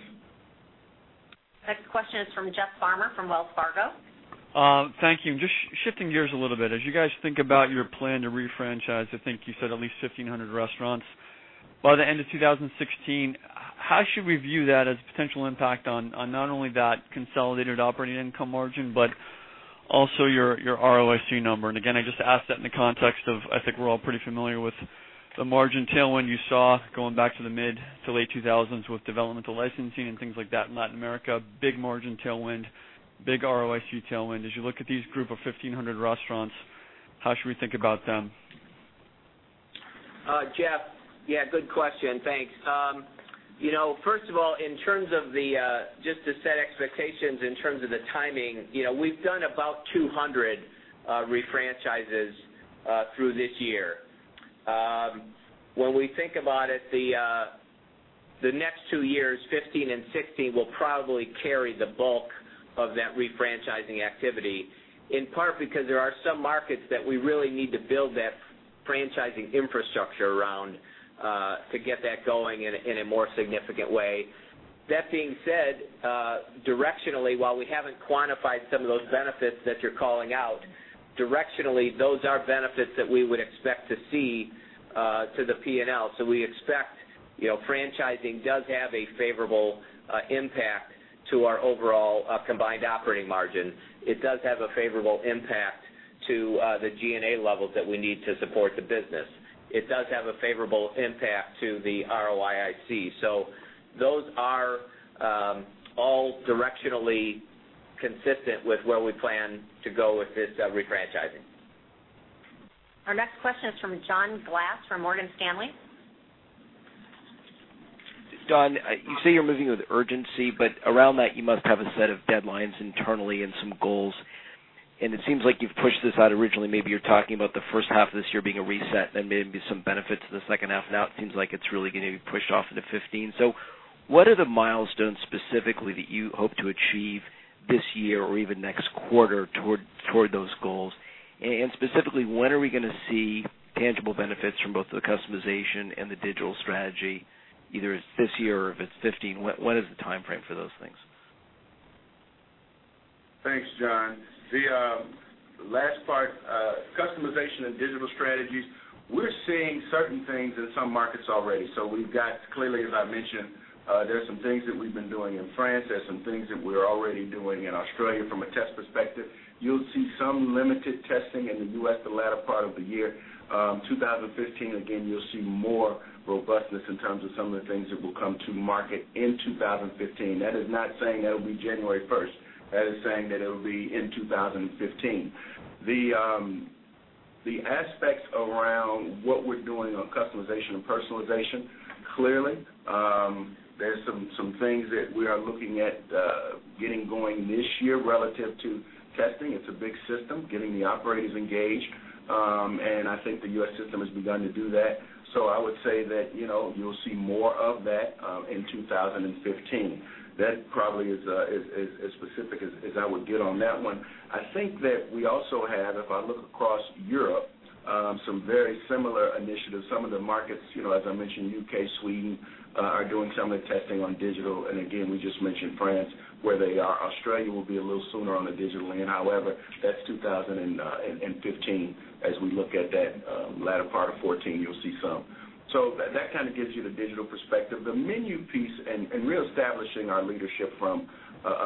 Next question is from Jeff Farmer from Wells Fargo. Thank you. Just shifting gears a little bit. As you guys think about your plan to refranchise, I think you said at least 1,500 restaurants by the end of 2016. How should we view that as a potential impact on not only that consolidated operating income margin, but also your ROIC number? Again, I just ask that in the context of, I think we're all pretty familiar with the margin tailwind you saw going back to the mid to late 2000s with developmental licensing and things like that in Latin America. Big margin tailwind, big ROIC tailwind. As you look at these group of 1,500 restaurants, how should we think about them? Jeff, yeah, good question. Thanks. First of all, just to set expectations in terms of the timing, we've done about 200 refranchises through this year. When we think about it, the next two years, 2015 and 2016, will probably carry the bulk of that refranchising activity, in part because there are some markets that we really need to build that franchising infrastructure around to get that going in a more significant way. That being said, directionally, while we haven't quantified some of those benefits that you're calling out, directionally, those are benefits that we would expect to see to the P&L. We expect franchising does have a favorable impact to our overall combined operating margin. It does have a favorable impact to the G&A levels that we need to support the business. It does have a favorable impact to the ROIC. Those are all directionally consistent with where we plan to go with this refranchising. Our next question is from John Glass from Morgan Stanley. Don, you say you're moving with urgency, around that, you must have a set of deadlines internally and some goals. It seems like you've pushed this out originally, maybe you're talking about the first half of this year being a reset, then maybe some benefit to the second half. Now it seems like it's really going to be pushed off into 2015. What are the milestones specifically that you hope to achieve this year or even next quarter toward those goals? Specifically, when are we going to see tangible benefits from both the customization and the digital strategy, either this year or if it's 2015? When is the timeframe for those things? Thanks, John. The last part, customization and digital strategies, we're seeing certain things in some markets already. We've got, clearly, as I mentioned, there are some things that we've been doing in France. There's some things that we're already doing in Australia from a test perspective. You'll see some limited testing in the U.S. the latter part of the year. 2015, again, you'll see more robustness in terms of some of the things that will come to market in 2015. That is not saying that'll be January 1st. That is saying that it will be in 2015. The aspects around what we're doing on customization and personalization, clearly, there's some things that we are looking at getting going this year relative to testing. It's a big system, getting the operators engaged. I think the U.S. system has begun to do that. I would say that you'll see more of that in 2015. That probably is as specific as I would get on that one. I think that we also have, if I look across Europe, some very similar initiatives. Some of the markets, as I mentioned, U.K., Sweden, are doing some of the testing on digital. Again, we just mentioned France, where they are. Australia will be a little sooner on the digital end. However, that's 2015. As we look at that latter part of 2014, you'll see some. That kind of gives you the digital perspective. The menu piece and reestablishing our leadership from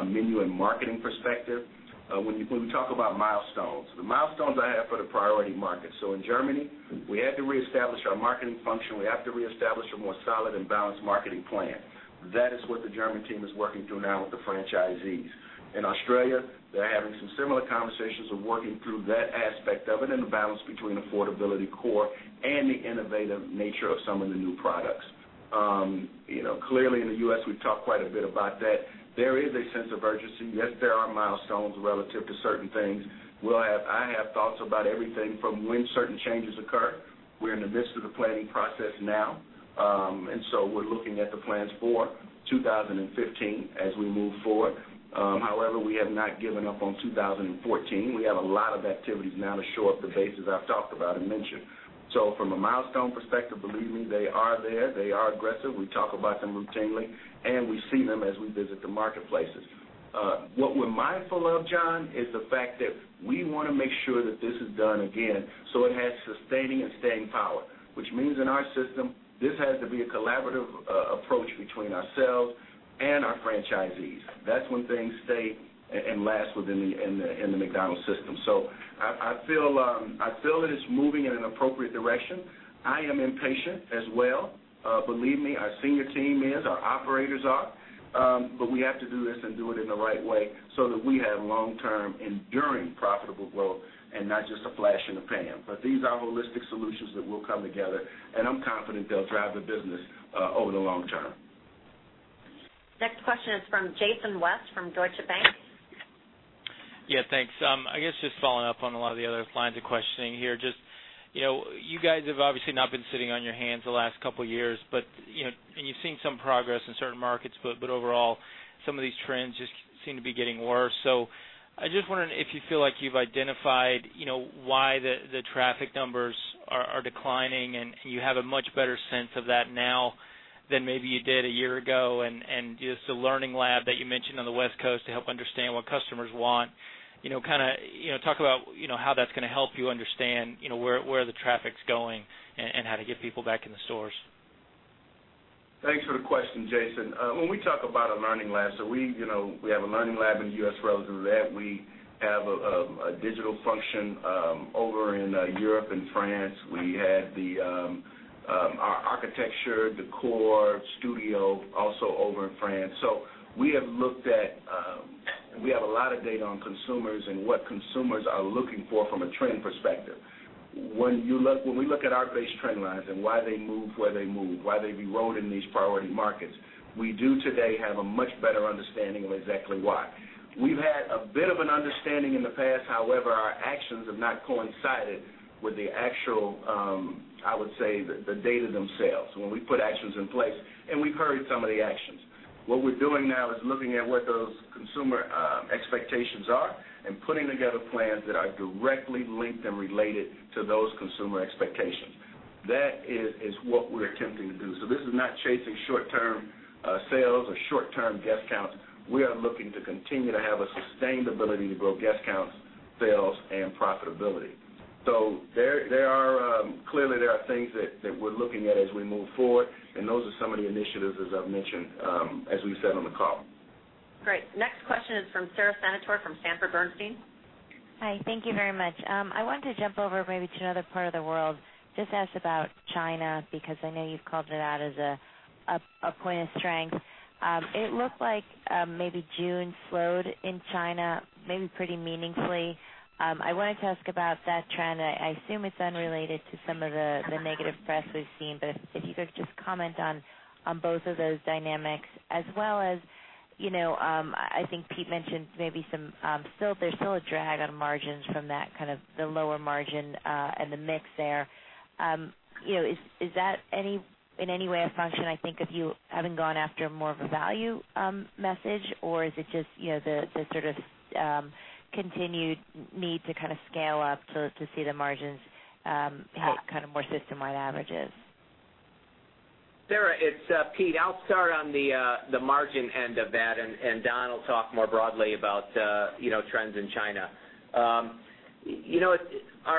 a menu and marketing perspective. When we talk about milestones, the milestones I have are the priority markets. In Germany, we had to reestablish our marketing function. We have to reestablish a more solid and balanced marketing plan. That is what the German team is working through now with the franchisees. In Australia, they're having some similar conversations of working through that aspect of it and the balance between affordability core and the innovative nature of some of the new products. Clearly, in the U.S., we've talked quite a bit about that. There is a sense of urgency. Yes, there are milestones relative to certain things. I have thoughts about everything from when certain changes occur. We're in the midst of the planning process now. We're looking at the plans for 2015 as we move forward. However, we have not given up on 2014. We have a lot of activities now to shore up the bases I've talked about and mentioned. From a milestone perspective, believe me, they are there. They are aggressive. We talk about them routinely, we see them as we visit the marketplaces. What we're mindful of, John, is the fact that we want to make sure that this is done again, so it has sustaining and staying power. Which means in our system, this has to be a collaborative approach between ourselves and our franchisees. That's when things stay and last within the McDonald's system. I feel it is moving in an appropriate direction. I am impatient as well. Believe me, our senior team is, our operators are. We have to do this and do it in the right way so that we have long-term enduring profitable growth and not just a flash in the pan. These are holistic solutions that will come together, and I'm confident they'll drive the business over the long term. Next question is from Jason West, from Deutsche Bank. Yeah, thanks. I guess just following up on a lot of the other lines of questioning here, just you guys have obviously not been sitting on your hands the last couple of years, and you've seen some progress in certain markets. Overall, some of these trends just seem to be getting worse. I just wonder if you feel like you've identified why the traffic numbers are declining and you have a much better sense of that now than maybe you did a year ago. Just the learning lab that you mentioned on the West Coast to help understand what customers want. Talk about how that's going to help you understand where the traffic's going and how to get people back in the stores. Thanks for the question, Jason. When we talk about a learning lab, so we have a learning lab in the U.S. relative to that. We have a digital function over in Europe and France. We have our architecture, decor studio also over in France. We have a lot of data on consumers and what consumers are looking for from a trend perspective. When we look at our base trend lines and why they move, where they move, why they've eroded in these priority markets, we do today have a much better understanding of exactly why. We've had a bit of an understanding in the past. However, our actions have not coincided with the actual, I would say, the data themselves, when we put actions in place, and we've hurried some of the actions. What we're doing now is looking at what those consumer expectations are and putting together plans that are directly linked and related to those consumer expectations. That is what we're attempting to do. This is not chasing short-term sales or short-term guest counts. We are looking to continue to have a sustainability to grow guest counts, sales, and profitability. Clearly there are things that we're looking at as we move forward, and those are some of the initiatives, as I've mentioned, as we said on the call. Great. Next question is from Sara Senatore, from Sanford Bernstein. Hi. Thank you very much. I wanted to jump over maybe to another part of the world. Just ask about China, because I know you've called it out as a point of strength. It looked like maybe June slowed in China, maybe pretty meaningfully. I wanted to ask about that trend, and I assume it's unrelated to some of the negative press we've seen. If you could just comment on both of those dynamics as well as I think Pete mentioned there's still a drag on margins from that kind of the lower margin, and the mix there. Is that in any way a function, I think if you haven't gone after more of a value message or is it just the sort of continued need to kind of scale up to see the margins hit kind of more system-wide averages? Sara, it's Pete. I'll start on the margin end of that, and Don will talk more broadly about trends in China. Our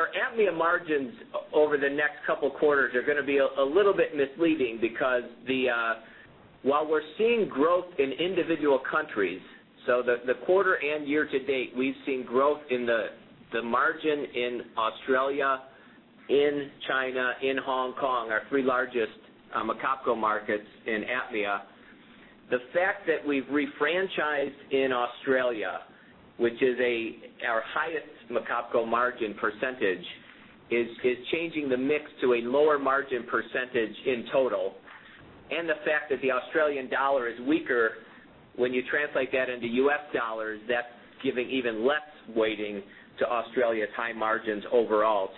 APMEA margins over the next couple quarters are going to be a little bit misleading because while we're seeing growth in individual countries, the quarter and year to date, we've seen growth in the margin in Australia, in China, in Hong Kong, our three largest McOpCo markets in APMEA. The fact that we've refranchised in Australia, which is our highest McOpCo margin percentage, is changing the mix to a lower margin percentage in total. The fact that the Australian dollar is weaker, when you translate that into U.S. dollars, that's giving even less weighting to Australia's high margins overall.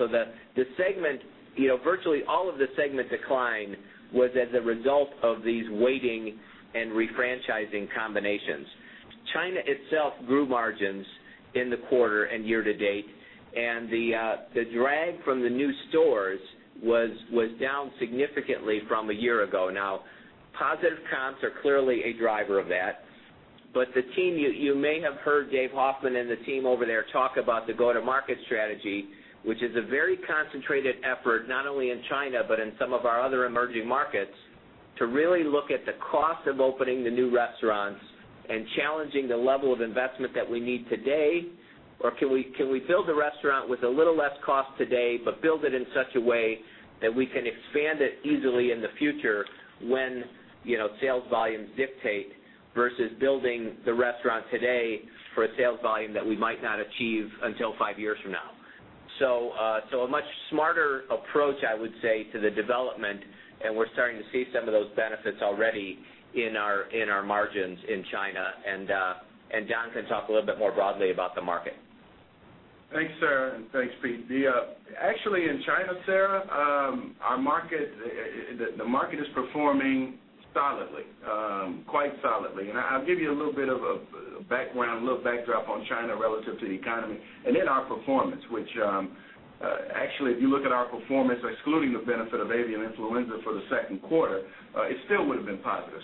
Virtually all of the segment decline was as a result of these weighting and refranchising combinations. China itself grew margins in the quarter and year to date, the drag from the new stores was down significantly from a year ago. Positive comps are clearly a driver of that. You may have heard Dave Hoffmann and the team over there talk about the go-to-market strategy, which is a very concentrated effort, not only in China but in some of our other emerging markets, to really look at the cost of opening the new restaurants and challenging the level of investment that we need today. Can we build a restaurant with a little less cost today, but build it in such a way that we can expand it easily in the future when sales volumes dictate, versus building the restaurant today for a sales volume that we might not achieve until 5 years from now? A much smarter approach, I would say, to the development, and we're starting to see some of those benefits already in our margins in China. Don can talk a little bit more broadly about the market. Thanks, Sara, and thanks, Pete. In China, Sara, the market is performing quite solidly. I'll give you a little bit of a background, a little backdrop on China relative to the economy and then our performance. If you look at our performance, excluding the benefit of avian influenza for the second quarter, it still would've been positive.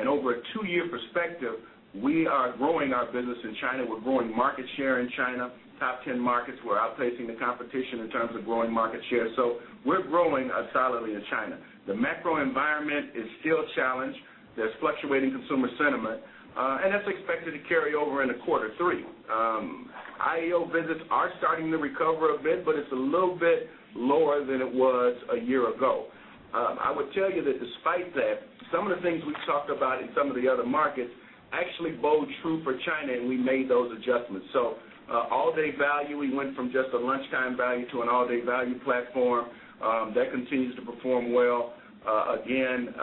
In over a 2-year perspective, we are growing our business in China. We're growing market share in China, top 10 markets. We're outpacing the competition in terms of growing market share. We're growing solidly in China. The macro environment is still challenged. There's fluctuating consumer sentiment, and that's expected to carry over into quarter 3. IEO visits are starting to recover a bit, it's a little bit lower than it was a year ago. I would tell you that despite that, some of the things we've talked about in some of the other markets actually bode true for China, and we made those adjustments. All-day value, we went from just a lunchtime value to an all-day value platform. That continues to perform well. Again,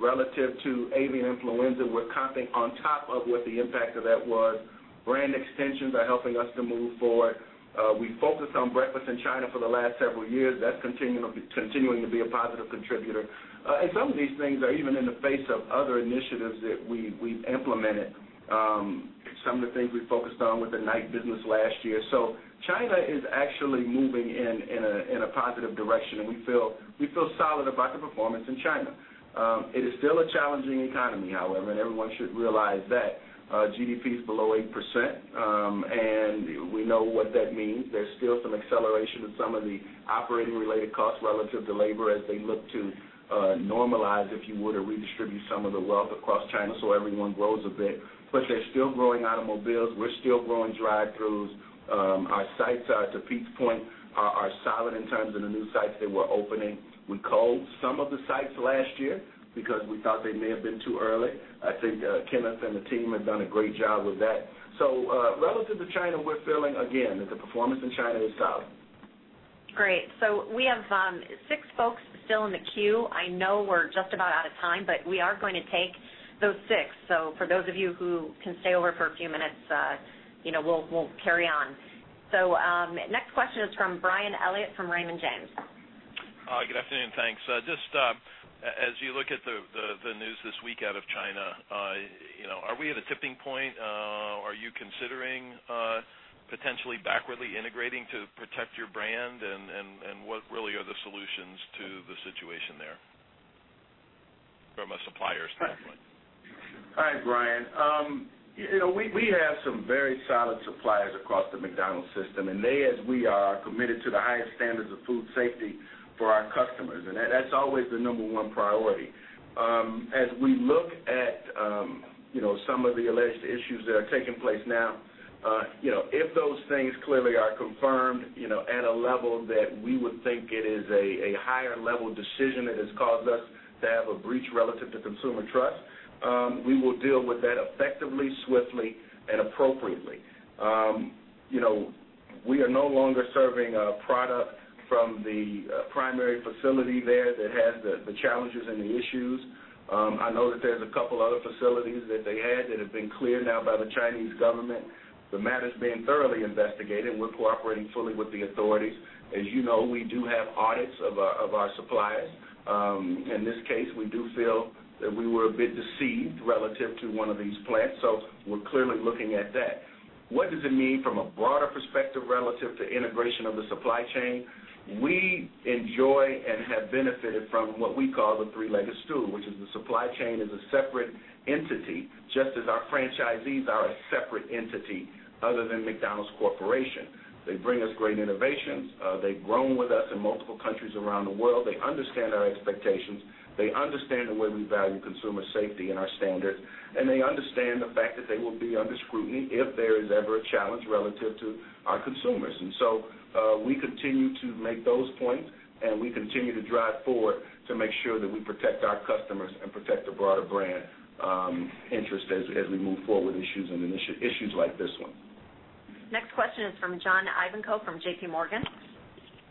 relative to avian influenza, we're comping on top of what the impact of that was. Brand extensions are helping us to move forward. We focused on breakfast in China for the last several years. That's continuing to be a positive contributor. Some of these things are even in the face of other initiatives that we've implemented. Some of the things we focused on with the night business last year. China is actually moving in a positive direction, and we feel solid about the performance in China. It is still a challenging economy, however. Everyone should realize that. GDP is below 8%. We know what that means. There's still some acceleration in some of the operating-related costs relative to labor as they look to normalize, if you would, or redistribute some of the wealth across China so everyone grows a bit. They're still growing automobiles. We're still growing drive-throughs. Our sites are, to Pete's point, are solid in terms of the new sites that we're opening. We culled some of the sites last year because we thought they may have been too early. I think Kenneth and the team have done a great job with that. Relative to China, we're feeling, again, that the performance in China is solid. Great. We have six folks still in the queue. I know we're just about out of time. We are going to take those six. For those of you who can stay over for a few minutes, we'll carry on. Next question is from Brian Elliott from Raymond James. Good afternoon, thanks. Just as you look at the news this week out of China, are we at a tipping point? Are you considering potentially backwardly integrating to protect your brand? What really are the solutions to the situation there from a supplier standpoint? Hi, Brian. We have some very solid suppliers across the McDonald's system. They, as we are, committed to the highest standards of food safety for our customers. That's always the number one priority. As we look at some of the alleged issues that are taking place now, if those things clearly are confirmed at a level that we would think it is a higher level decision that has caused us to have a breach relative to consumer trust, we will deal with that effectively, swiftly, and appropriately. We are no longer serving a product from the primary facility there that has the challenges and the issues. I know that there's a couple other facilities that they had that have been cleared now by the Chinese government. The matter's being thoroughly investigated. We're cooperating fully with the authorities. As you know, we do have audits of our suppliers. In this case, we do feel that we were a bit deceived relative to one of these plants. We're clearly looking at that. What does it mean from a broader perspective relative to integration of the supply chain? We enjoy and have benefited from what we call the three-legged stool, which is the supply chain is a separate entity, just as our franchisees are a separate entity other than McDonald's Corporation. They bring us great innovations. They've grown with us in multiple countries around the world. They understand our expectations. They understand the way we value consumer safety and our standards, and they understand the fact that they will be under scrutiny if there is ever a challenge relative to our consumers. We continue to make those points, and we continue to drive forward to make sure that we protect our customers and protect the broader brand interest as we move forward with issues like this one. Next question is from John Ivankoe from JPMorgan.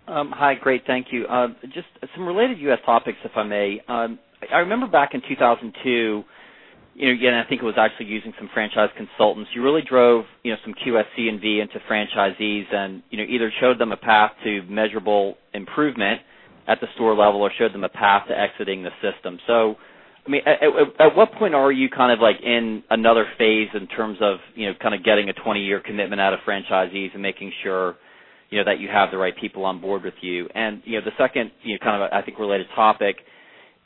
Hi, great, thank you. Just some related U.S. topics, if I may. I remember back in 2002, again, I think it was actually using some franchise consultants. You really drove some QSC&V into franchisees and either showed them a path to measurable improvement at the store level or showed them a path to exiting the system. At what point are you in another phase in terms of getting a 20-year commitment out of franchisees and making sure that you have the right people on board with you? The second I think related topic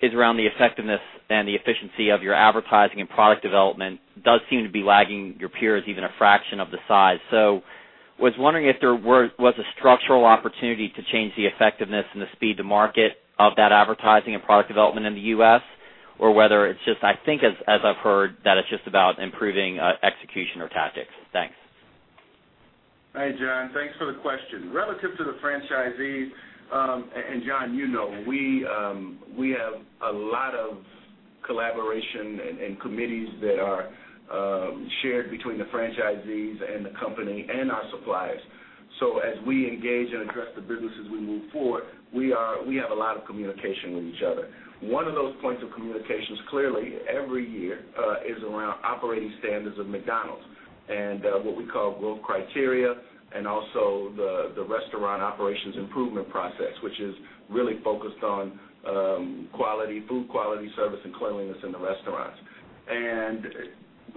is around the effectiveness and the efficiency of your advertising and product development does seem to be lagging your peers, even a fraction of the size. Was wondering if there was a structural opportunity to change the effectiveness and the speed to market of that advertising and product development in the U.S., or whether it's just, I think as I've heard, that it's just about improving execution or tactics. Thanks. Hi, John. Thanks for the question. John, you know we have a lot of collaboration and committees that are shared between the franchisees and the company and our suppliers. As we engage and address the business as we move forward, we have a lot of communication with each other. One of those points of communications, clearly, every year is around operating standards of McDonald's and what we call global criteria, and also the restaurant operations improvement process, which is really focused on food quality, service, and cleanliness in the restaurants.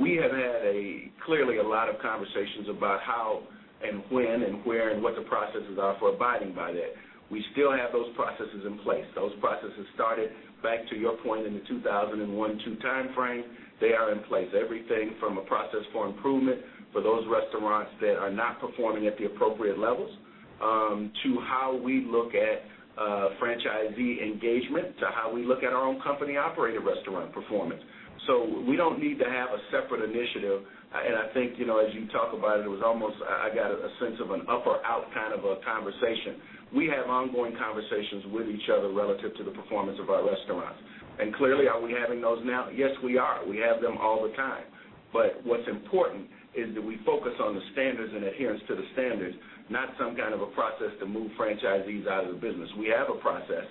We have had clearly a lot of conversations about how and when and where and what the processes are for abiding by that. We still have those processes in place. Those processes started back to your point in the 2001-2002 time frame. They are in place. Everything from a process for improvement for those restaurants that are not performing at the appropriate levels, to how we look at franchisee engagement, to how we look at our own company-operated restaurant performance. We don't need to have a separate initiative. I think, as you talk about it, I got a sense of an up or out kind of a conversation. We have ongoing conversations with each other relative to the performance of our restaurants. Clearly, are we having those now? Yes, we are. We have them all the time. What's important is that we focus on the standards and adherence to the standards, not some kind of a process to move franchisees out of the business. We have a process.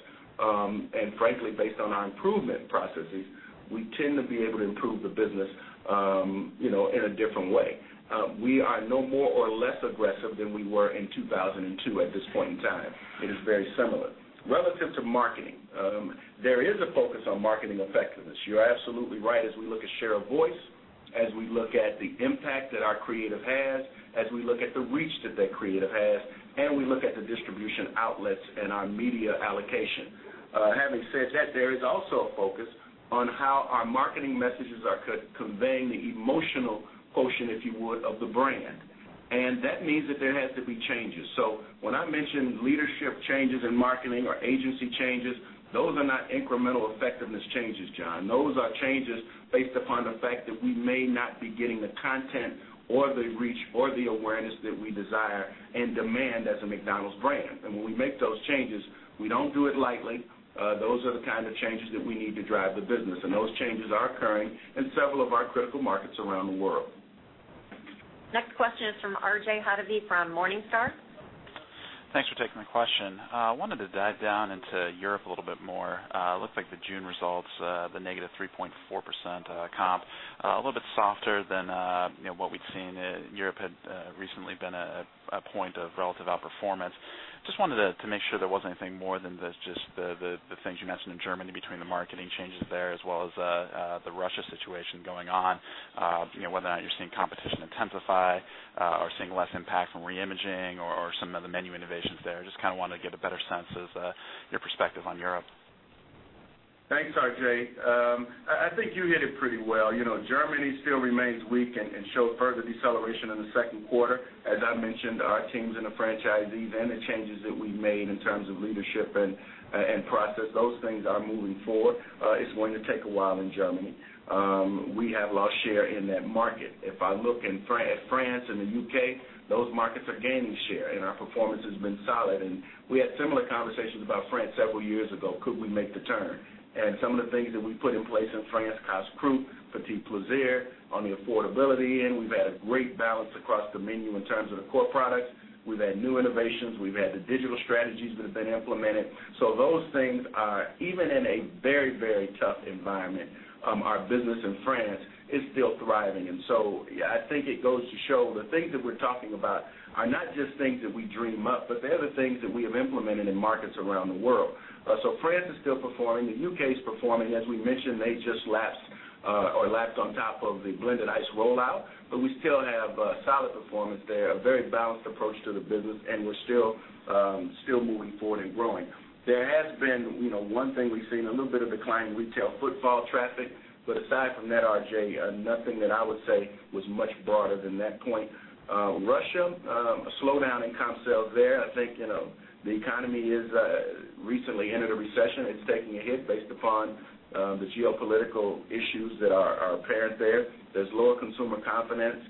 Frankly, based on our improvement processes, we tend to be able to improve the business in a different way. We are no more or less aggressive than we were in 2002 at this point in time. It is very similar. Relative to marketing, there is a focus on marketing effectiveness. You're absolutely right. As we look at share of voice, as we look at the impact that our creative has, as we look at the reach that that creative has, and we look at the distribution outlets and our media allocation. Having said that, there is also a focus on how our marketing messages are conveying the emotional quotient, if you would, of the brand. That means that there has to be changes. When I mentioned leadership changes in marketing or agency changes, those are not incremental effectiveness changes, John. Those are changes based upon the fact that we may not be getting the content or the reach or the awareness that we desire and demand as a McDonald's brand. When we make those changes, we don't do it lightly. Those are the kind of changes that we need to drive the business, those changes are occurring in several of our critical markets around the world. Next question is from R.J. Hottovy from Morningstar. Thanks for taking my question. I wanted to dive down into Europe a little bit more. It looks like the June results, the -3.4% comp, a little bit softer than what we'd seen. Europe had recently been a point of relative outperformance. Just wanted to make sure there wasn't anything more than just the things you mentioned in Germany between the marketing changes there as well as the Russia situation going on. Whether or not you're seeing competition intensify or seeing less impact from re-imaging or some of the menu innovations there. Just kind of wanted to get a better sense of your perspective on Europe. Thanks, R.J. I think you hit it pretty well. Germany still remains weak and showed further deceleration in the second quarter. As I mentioned, our teams and the franchisees and the changes that we've made in terms of leadership and process, those things are moving forward. It's going to take a while in Germany. We have lost share in that market. If I look at France and the U.K., those markets are gaining share, our performance has been solid. We had similar conversations about France several years ago. Could we make the turn? Some of the things that we put in place in France, Casse-Croûte, P'tits Plaisirs on the affordability end. We've had a great balance across the menu in terms of the core products. We've had new innovations. We've had the digital strategies that have been implemented. Those things are, even in a very tough environment, our business in France is still thriving. I think it goes to show the things that we're talking about are not just things that we dream up, but they're the things that we have implemented in markets around the world. France is still performing. The U.K. is performing. As we mentioned, they just lapsed or lapped on top of the blended ice rollout. We still have a solid performance there, a very balanced approach to the business, and we're still moving forward and growing. There has been one thing we've seen, a little bit of decline in retail footfall traffic. Aside from that, R.J., nothing that I would say was much broader than that point. Russia, a slowdown in comp sales there. I think the economy has recently entered a recession. It's taking a hit based upon the geopolitical issues that are apparent there. There's lower consumer confidence.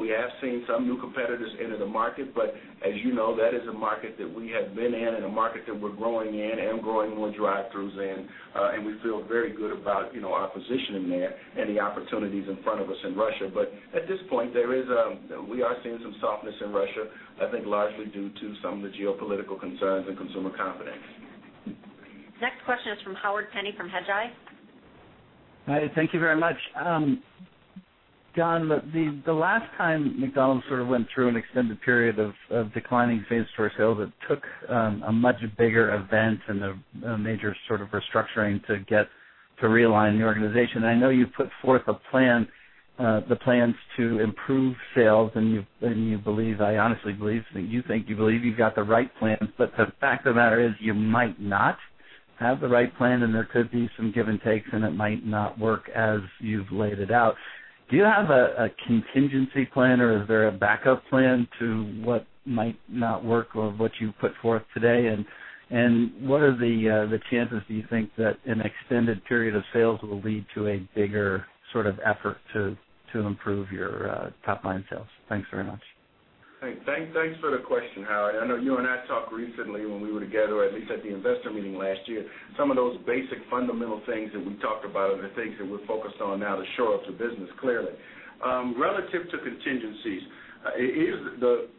We have seen some new competitors enter the market, as you know, that is a market that we have been in and a market that we're growing in and growing more drive-throughs in. We feel very good about our position in there and the opportunities in front of us in Russia. At this point, we are seeing some softness in Russia, I think largely due to some of the geopolitical concerns and consumer confidence. Next question is from Howard Penney from Hedgeye. Hi, thank you very much. John, the last time McDonald's sort of went through an extended period of declining same-store sales, it took a much bigger event and a major sort of restructuring to realign the organization. I know you've put forth the plans to improve sales, you believe, I honestly believe, you think you believe you've got the right plan. The fact of the matter is you might not have the right plan, and there could be some give and takes, and it might not work as you've laid it out. Do you have a contingency plan, or is there a backup plan to what might not work of what you put forth today and What are the chances, do you think, that an extended period of sales will lead to a bigger effort to improve your top-line sales? Thanks very much. Thanks for the question, Howard. I know you and I talked recently when we were together, at least at the investor meeting last year. Some of those basic fundamental things that we talked about are the things that we're focused on now to shore up the business clearly. Relative to contingencies,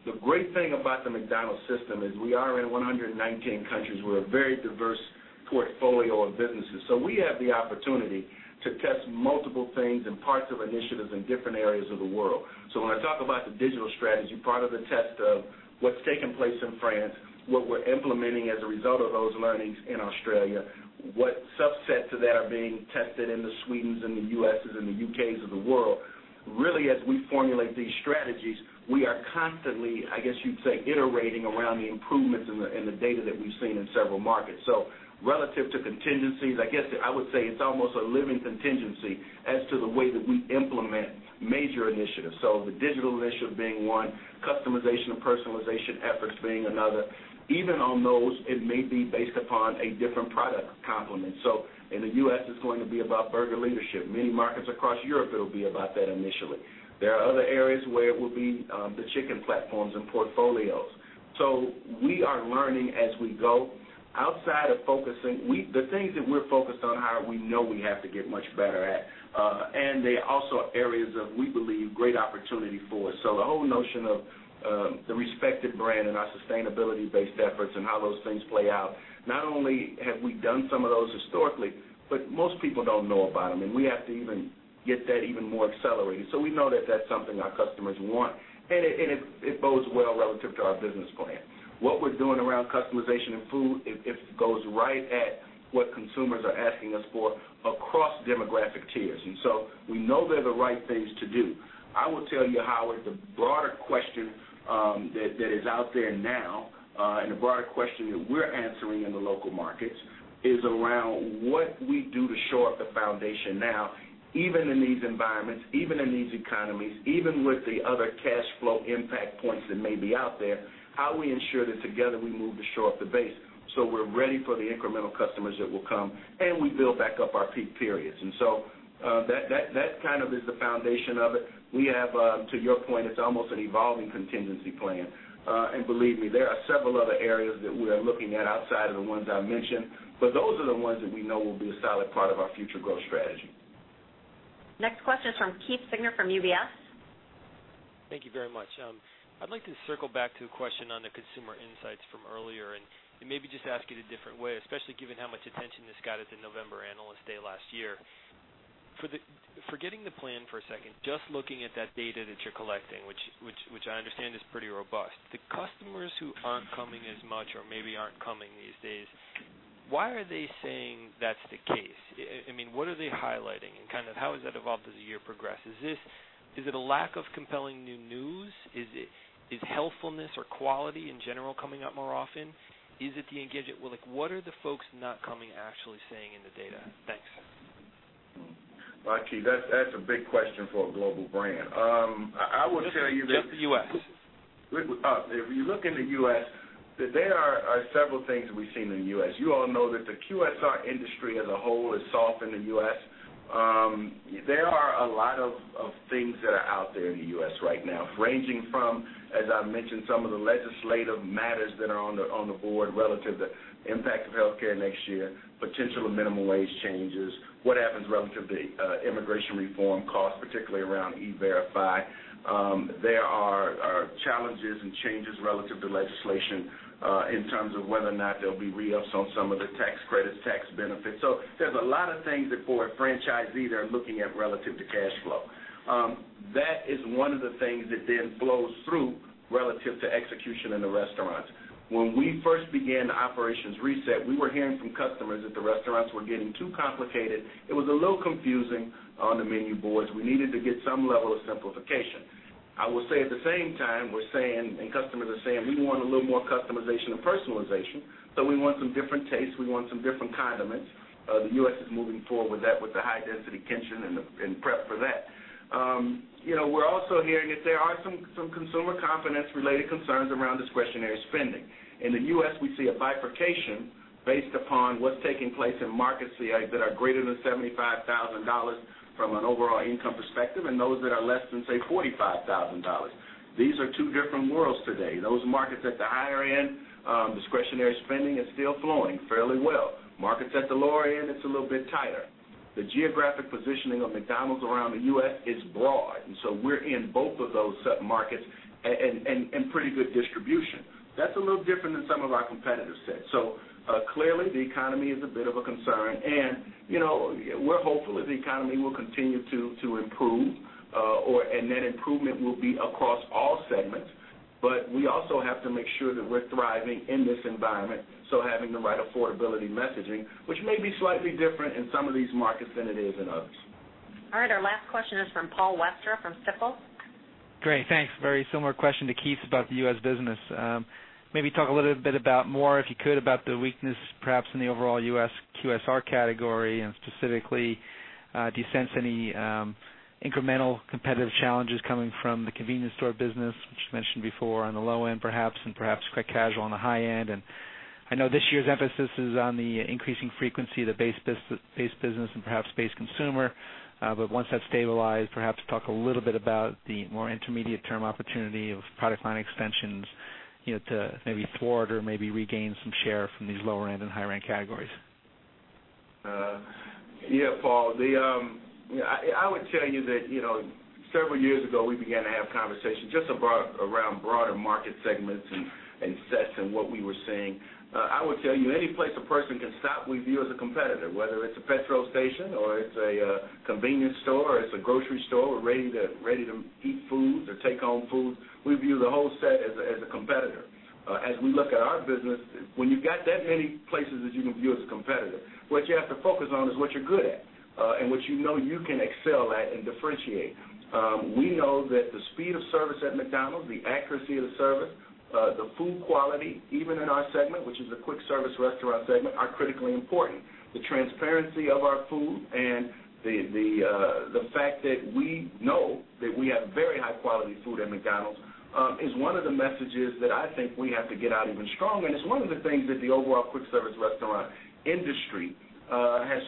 the great thing about the McDonald's system is we are in 119 countries. We're a very diverse portfolio of businesses. We have the opportunity to test multiple things and parts of initiatives in different areas of the world. When I talk about the digital strategy, part of the test of what's taking place in France, what we're implementing as a result of those learnings in Australia, what subset to that are being tested in the Swedens and the U.S.'s and the U.K.'s of the world. Really, as we formulate these strategies, we are constantly, I guess you'd say, iterating around the improvements in the data that we've seen in several markets. Relative to contingencies, I guess I would say it's almost a living contingency as to the way that we implement major initiatives. The digital initiative being one, customization and personalization efforts being another. Even on those, it may be based upon a different product complement. In the U.S., it's going to be about burger leadership. Many markets across Europe, it'll be about that initially. There are other areas where it will be the chicken platforms and portfolios. We are learning as we go. Outside of focusing, the things that we're focused on, Howard, we know we have to get much better at. They also are areas of, we believe, great opportunity for us. The whole notion of the respected brand and our sustainability-based efforts and how those things play out, not only have we done some of those historically, but most people don't know about them. We have to even get that even more accelerated. We know that that's something our customers want, and it bodes well relative to our business plan. What we're doing around customization of food, it goes right at what consumers are asking us for across demographic tiers. We know they're the right things to do. I will tell you, Howard, the broader question that is out there now, the broader question that we're answering in the local markets is around what we do to shore up the foundation now, even in these environments, even in these economies, even with the other cash flow impact points that may be out there. How we ensure that together we move to shore up the base so we're ready for the incremental customers that will come, and we build back up our peak periods. That is the foundation of it. We have, to your point, it's almost an evolving contingency plan. Believe me, there are several other areas that we are looking at outside of the ones I mentioned, but those are the ones that we know will be a solid part of our future growth strategy. Next question is from Keith Siegner from UBS. Thank you very much. I'd like to circle back to a question on the consumer insights from earlier and maybe just ask it a different way, especially given how much attention this got at the November Analyst Day last year. Forgetting the plan for a second, just looking at that data that you're collecting, which I understand is pretty robust. The customers who aren't coming as much or maybe aren't coming these days, why are they saying that's the case? What are they highlighting, and how has that evolved as the year progressed? Is it a lack of compelling new news? Is healthfulness or quality in general coming up more often? Is it the engagement? What are the folks not coming actually saying in the data? Thanks. Keith, that's a big question for a global brand. I will tell you that. Just the U.S. If you look in the U.S., there are several things that we've seen in the U.S. You all know that the QSR industry as a whole is soft in the U.S. There are a lot of things that are out there in the U.S. right now, ranging from, as I mentioned, some of the legislative matters that are on the board relative to impact of healthcare next year, potential minimum wage changes, what happens relative to immigration reform costs, particularly around E-Verify. There are challenges and changes relative to legislation in terms of whether or not there'll be re-ups on some of the tax credits, tax benefits. There's a lot of things that for a franchisee they're looking at relative to cash flow. That is one of the things that then flows through relative to execution in the restaurant. When we first began the operations reset, we were hearing from customers that the restaurants were getting too complicated. It was a little confusing on the menu boards. We needed to get some level of simplification. I will say at the same time, we're saying, and customers are saying, "We want a little more customization and personalization. We want some different tastes. We want some different condiments." The U.S. is moving forward with that, with the high-density kitchen and prep for that. We're also hearing that there are some consumer confidence-related concerns around discretionary spending. In the U.S., we see a bifurcation based upon what's taking place in markets that are greater than $75,000 from an overall income perspective, and those that are less than, say, $45,000. These are two different worlds today. Those markets at the higher end, discretionary spending is still flowing fairly well. Markets at the lower end, it's a little bit tighter. The geographic positioning of McDonald's around the U.S. is broad, we're in both of those sub-markets and pretty good distribution. That's a little different than some of our competitors' sets. Clearly, the economy is a bit of a concern, and we're hopeful that the economy will continue to improve, and that improvement will be across all segments. We also have to make sure that we're thriving in this environment. Having the right affordability messaging, which may be slightly different in some of these markets than it is in others. All right. Our last question is from Paul Westra from Stifel. Great. Thanks. Very similar question to Keith's about the U.S. business. Maybe talk a little bit more, if you could, about the weakness, perhaps in the overall U.S. QSR category. Specifically, do you sense any incremental competitive challenges coming from the convenience store business, which you mentioned before on the low end, perhaps, and perhaps quick casual on the high end? I know this year's emphasis is on the increasing frequency of the base business and perhaps base consumer. Once that's stabilized, perhaps talk a little bit about the more intermediate-term opportunity of product line extensions to maybe thwart or maybe regain some share from these lower-end and higher-end categories. Yeah, Paul. I would tell you that several years ago, we began to have conversations just around broader market segments and sets and what we were seeing. I would tell you, any place a person can stop, we view as a competitor, whether it's a petrol station or it's a convenience store or it's a grocery store or ready-to-eat foods or take-home foods. We view the whole set as a competitor. As we look at our business, when you've got that many places that you can view as a competitor, what you have to focus on is what you're good at, and what you know you can excel at and differentiate. We know that the speed of service at McDonald's, the accuracy of the service, the food quality, even in our segment, which is the quick service restaurant segment, are critically important. The transparency of our food and the fact that we know that we have very high-quality food at McDonald's is one of the messages that I think we have to get out even stronger. It's one of the things that the overall quick service restaurant industry has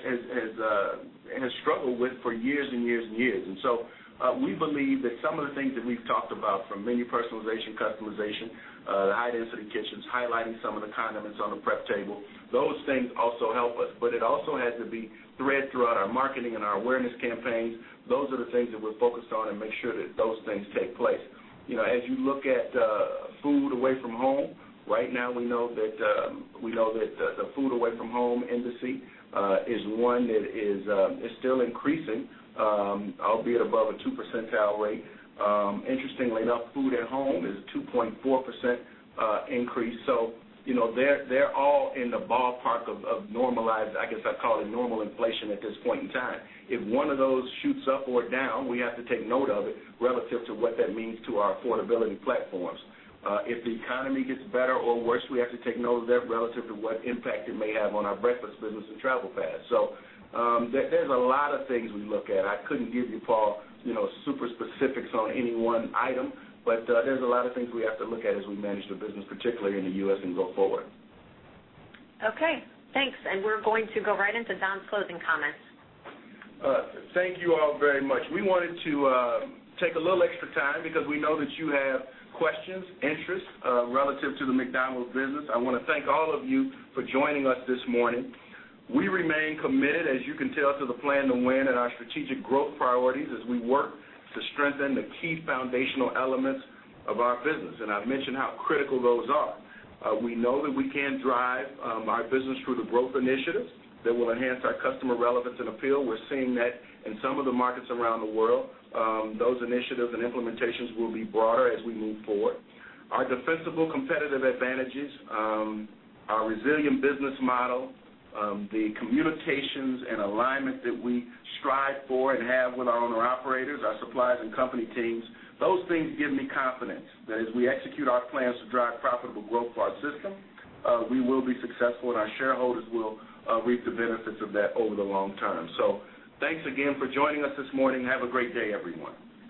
struggled with for years and years. So we believe that some of the things that we've talked about from menu personalization, customization, the high-density kitchens, highlighting some of the condiments on the prep table, those things also help us. It also has to be thread throughout our marketing and our awareness campaigns. Those are the things that we're focused on and make sure that those things take place. As you look at food away from home, right now we know that the food away from home industry is one that is still increasing, albeit above a two percentile rate. Interestingly enough, food at home is 2.4% increase. They're all in the ballpark of normalized, I guess I'd call it normal inflation at this point in time. If one of those shoots up or down, we have to take note of it relative to what that means to our affordability platforms. If the economy gets better or worse, we have to take note of that relative to what impact it may have on our breakfast business and. There's a lot of things we look at. I couldn't give you, Paul, super specifics on any one item, but there's a lot of things we have to look at as we manage the business, particularly in the U.S., and go forward. Okay, thanks. We're going to go right into Don's closing comments. Thank you all very much. We wanted to take a little extra time because we know that you have questions, interests relative to the McDonald's business. I want to thank all of you for joining us this morning. We remain committed, as you can tell, to the Plan to Win and our strategic growth priorities as we work to strengthen the key foundational elements of our business. I've mentioned how critical those are. We know that we can drive our business through the growth initiatives that will enhance our customer relevance and appeal. We're seeing that in some of the markets around the world. Those initiatives and implementations will be broader as we move forward. Our defensible competitive advantages, our resilient business model, the communications and alignment that we strive for and have with our owner-operators, our suppliers, and company teams. Those things give me confidence that as we execute our plans to drive profitable growth for our system, we will be successful, and our shareholders will reap the benefits of that over the long term. Thanks again for joining us this morning. Have a great day, everyone.